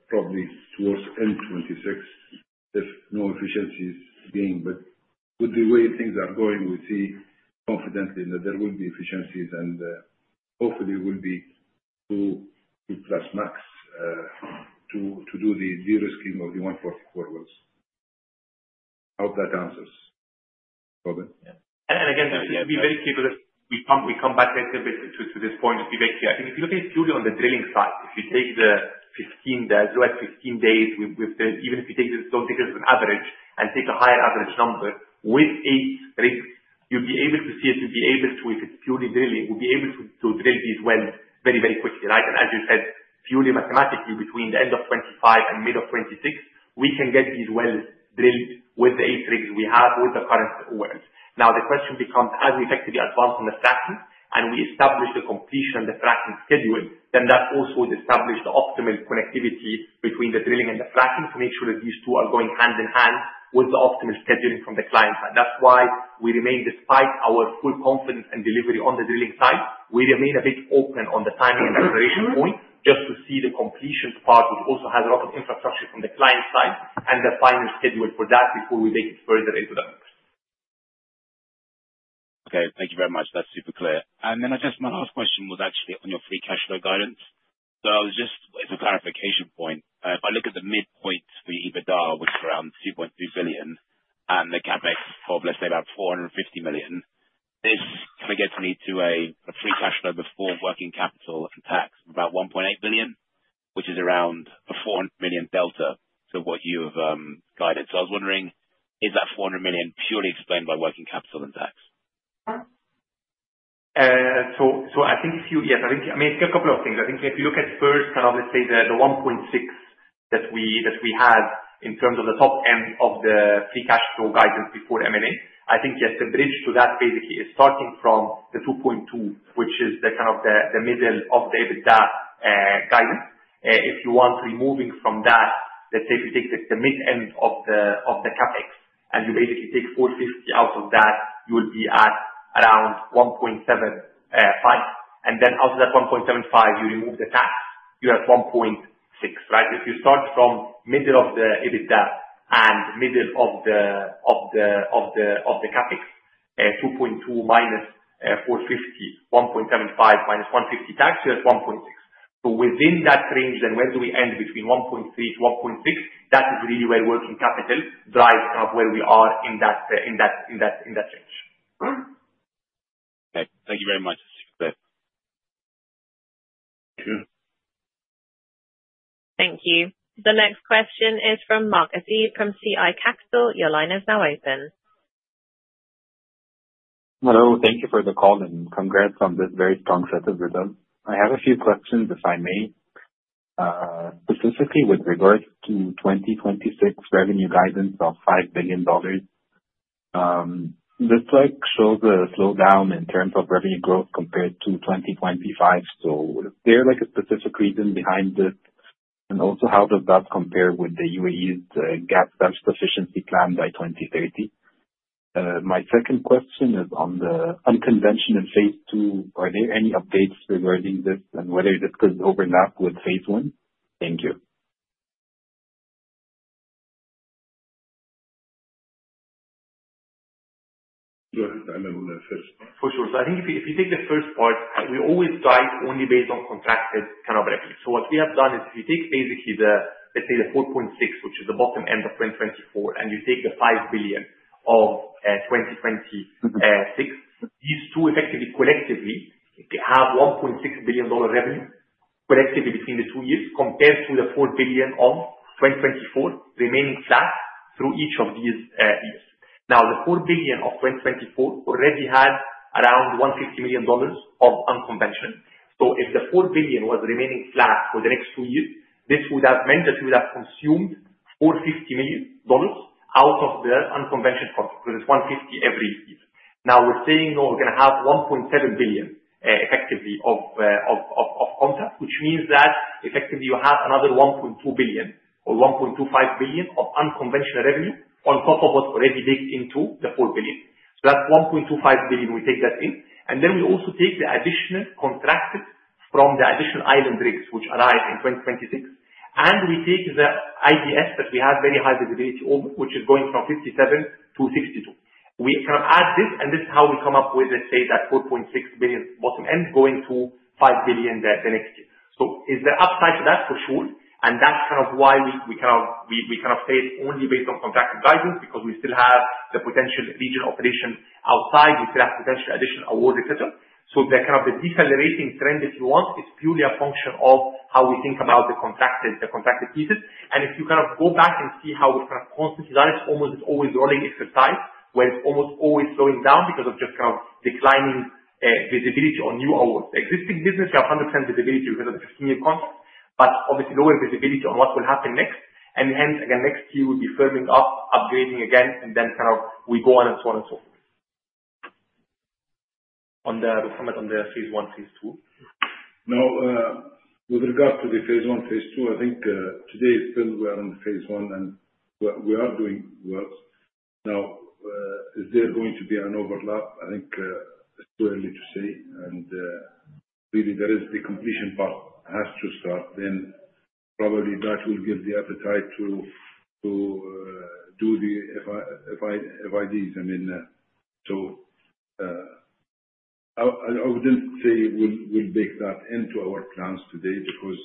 probably towards end-2026 if no efficiency gains. But with the way things are going, we see confidently that there will be efficiencies and hopefully will be two plus max to do the de-risking of the 144 wells. I hope that answers. Again, we'll be very clear because we come back a bit to this point to be very clear. If you look at it purely on the drilling side, if you take the 15 days, we're at 15 days. Even if you take it, don't take it as an average and take a higher average number with eight rigs, you'd be able to see it, you'd be able to, if it's purely drilling, we'll be able to drill these wells very, very quickly, right, and as you said, purely mathematically, between the end of 2025 and mid of 2026, we can get these wells drilled with the eight rigs we have with the current wells. Now, the question becomes, as we effectively advance on the fracking and we establish the completion and the fracking schedule, then that also would establish the optimal connectivity between the drilling and the fracking to make sure that these two are going hand in hand with the optimal scheduling from the client side. That's why we remain, despite our full confidence and delivery on the drilling side, we remain a bit open on the timing and the operation point just to see the completion part, which also has a lot of infrastructure from the client side, and the final schedule for that before we make it further into the numbers. Okay. Thank you very much. That's super clear. And then my last question was actually on your free cash flow guidance. So it's a clarification point. If I look at the midpoint for EBITDA, which is around $2.2 billion, and the CapEx is probably, let's say, about $450 million, this kind of gets me to a free cash flow before working capital and tax of about $1.8 billion, which is around the $400 million delta to what you have guided. So I was wondering, is that $400 million purely explained by working capital and tax? So I think a few, yes. I mean, a couple of things. I think if you look at first, kind of, let's say, the 1.6 that we had in terms of the top end of the free cash flow guidance before M&A, I think, yes, the bridge to that basically is starting from the 2.2, which is kind of the middle of the EBITDA guidance. If you want to be moving from that, let's say if you take the mid-end of the CapEx and you basically take 450 out of that, you'll be at around 1.75. And then out of that 1.75, you remove the tax, you have 1.6, right? If you start from middle of the EBITDA and middle of the CapEx, 2.2 minus 450, 1.75 minus 150 tax, you have 1.6. So within that range, then where do we end between 1.3-1.6? That is really where working capital drives kind of where we are in that range. Okay. Thank you very much. Thank you. The next question is from Marcus Eave from CI Capital. Your line is now open. Hello. Thank you for the call and congrats on this very strong setup with us. I have a few questions, if I may, specifically with regards to 2026 revenue guidance of $5 billion. This shows a slowdown in terms of revenue growth compared to 2025. So is there a specific reason behind this? And also, how does that compare with the UAE's gas ramp-up efficiency plan by 2030? My second question is on the unconventional phase two. Are there any updates regarding this and whether this could overlap with phase one? Thank you. Go ahead. I'm in the first. For sure. So I think if you take the first part, we always guide only based on contracted kind of revenue. So what we have done is if you take basically the, let's say, the $4.6 billion, which is the bottom end of 2024, and you take the $5 billion of 2026, these two effectively collectively have $1.6 billion revenue collectively between the two years compared to the $4 billion of 2024 remaining flat through each of these years. Now, the $4 billion of 2024 already had around $150 million of unconventional. So if the $4 billion was remaining flat for the next two years, this would have meant that we would have consumed $450 million out of the unconventional project because it's $150 million every year. Now, we're saying no, we're going to have $1.7 billion effectively of contract, which means that effectively you have another $1.2 billion or $1.25 billion of unconventional revenue on top of what's already baked into the $4 billion. So that's $1.25 billion we take that in, and then we also take the additional contracted from the additional island rigs which arrived in 2026, and we take the IDS that we have very high visibility over, which is going from 57-62. We kind of add this, and this is how we come up with, let's say, that $4.6 billion bottom end going to $5 billion the next year. Is there upside to that? For sure, and that's kind of why we kind of say it's only based on contracted guidance because we still have the potential regional operation outside. We still have potential additional awards, etc. So kind of the decelerating trend, if you want, is purely a function of how we think about the contracted pieces. And if you kind of go back and see how we've kind of constantly done it, it's almost always rolling exercise where it's almost always slowing down because of just kind of declining visibility on new awards. The existing business, we have 100% visibility because of the 15-year contract, but obviously lower visibility on what will happen next. And hence, again, next year we'll be firming up, upgrading again, and then kind of we go on and so on and so forth. On the phase one, phase two. Now, with regard to the phase one, phase two, I think today still we are on phase one and we are doing work. Now, is there going to be an overlap? I think it's too early to say. And really, there is the completion part has to start. Then probably that will give the appetite to do the FIDs. I mean, so I wouldn't say we'll bake that into our plans today because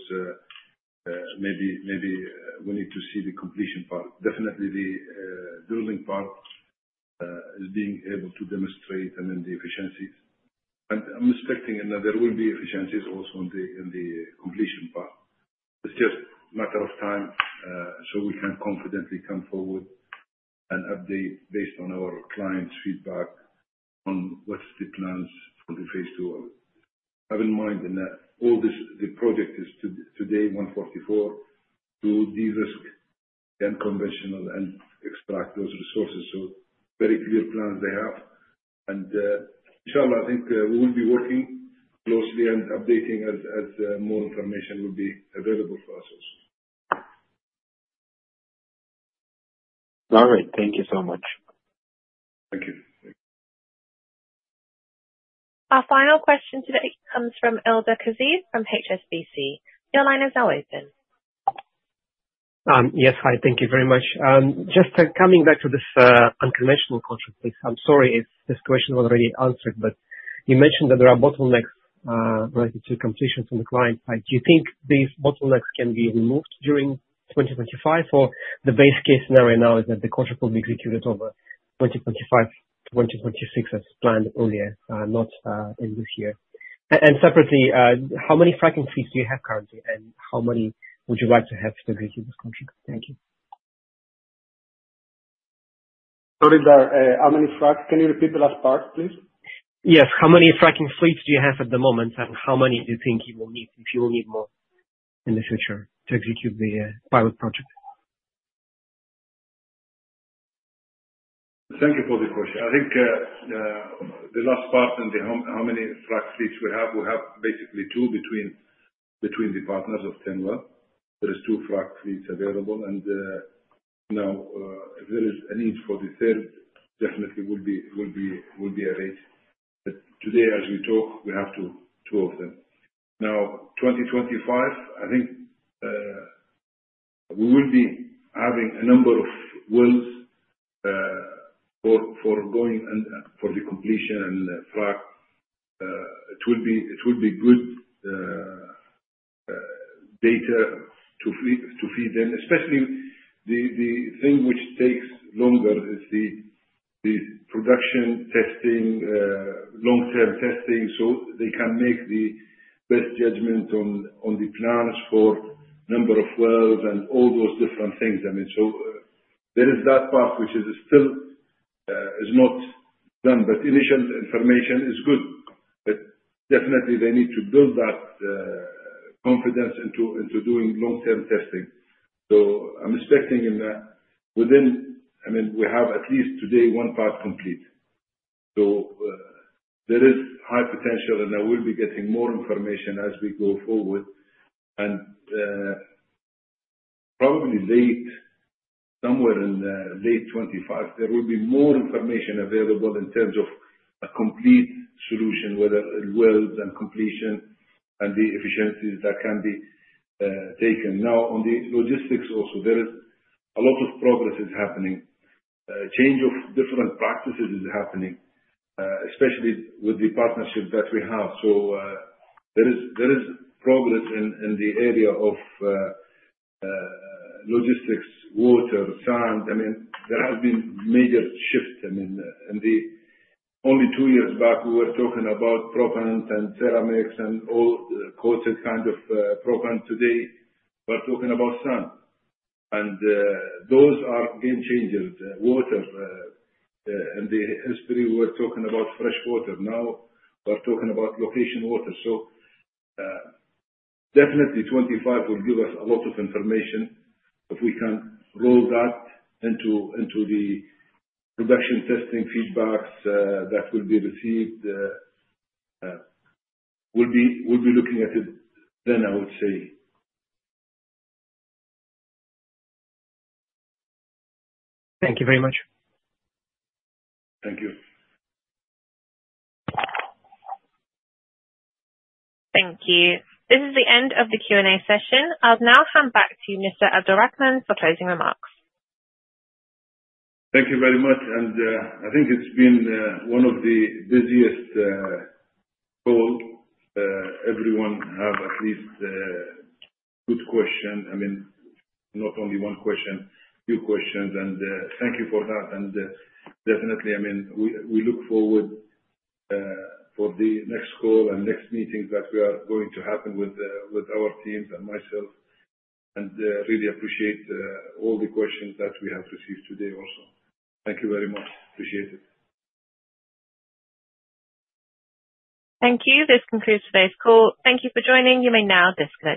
maybe we need to see the completion part. Definitely, the drilling part is being able to demonstrate and then the efficiencies. And I'm expecting there will be efficiencies also in the completion part. It's just a matter of time so we can confidently come forward and update based on our client's feedback on what's the plans for the phase two. Have in mind that all the project is today 144 to de-risk the unconventional and extract those resources. So very clear plans they have. And inshallah, I think we will be working closely and updating as more information will be available for us also. All right. Thank you so much. Thank you. Our final question today comes from Ildar Khaziev from HSBC. Your line is now open. Yes. Hi. Thank you very much. Just coming back to this unconventional contract, I'm sorry if this question was already answered, but you mentioned that there are bottlenecks related to completion from the client side. Do you think these bottlenecks can be removed during 2025? Or the base case scenario now is that the contract will be executed over 2025, 2026 as planned earlier, not in this year? And separately, how many fracking fleets do you have currently, and how many would you like to have to execute this contract? Thank you. Sorry, how many fracks? Can you repeat the last part, please? Yes. How many fracking fleets do you have at the moment, and how many do you think you will need if you will need more in the future to execute the pilot project? Thank you for the question. I think the last part and how many frack fleets we have, we have basically two between the partners of Turnwell. There are two frack fleets available. And now, if there is a need for the third, definitely will be arranged. But today, as we talk, we have two of them. Now, 2025, I think we will be having a number of wells for the completion and frack. It will be good data to feed them. Especially the thing which takes longer is the production testing, long-term testing, so they can make the best judgment on the plans for number of wells and all those different things. I mean, so there is that part which is still not done, but initial information is good. But definitely, they need to build that confidence into doing long-term testing, so I'm expecting within, I mean, we have at least today one part complete. So there is high potential, and I will be getting more information as we go forward, and probably somewhere in late 2025, there will be more information available in terms of a complete solution, whether it's wells and completion and the efficiencies that can be taken. Now, on the logistics also, there is a lot of progress happening. Change of different practices is happening, especially with the partnership that we have, so there is progress in the area of logistics, water, sand. I mean, there has been major shift. I mean, only two years back, we were talking about proppant and ceramics and all the coated kind of proppant. Today, we're talking about sand. And those are game changers. Water. And historically we're talking about fresh water. Now, we're talking about produced water. So definitely, 2025 will give us a lot of information if we can roll that into the production testing feedbacks that will be received. We'll be looking at it then, I would say. Thank you very much. Thank you. Thank you. This is the end of the Q&A session. I'll now hand back to Mr. Abdulrahman for closing remarks Thank you very much. And I think it's been one of the busiest calls. Everyone had at least a good question. I mean, not only one question, a few questions. And thank you for that. Definitely, I mean, we look forward to the next call and next meetings that we are going to have with our teams and myself. And really appreciate all the questions that we have received today also. Thank you very much. Appreciate it. Thank you. This concludes today's call. Thank you for joining. You may now disconnect.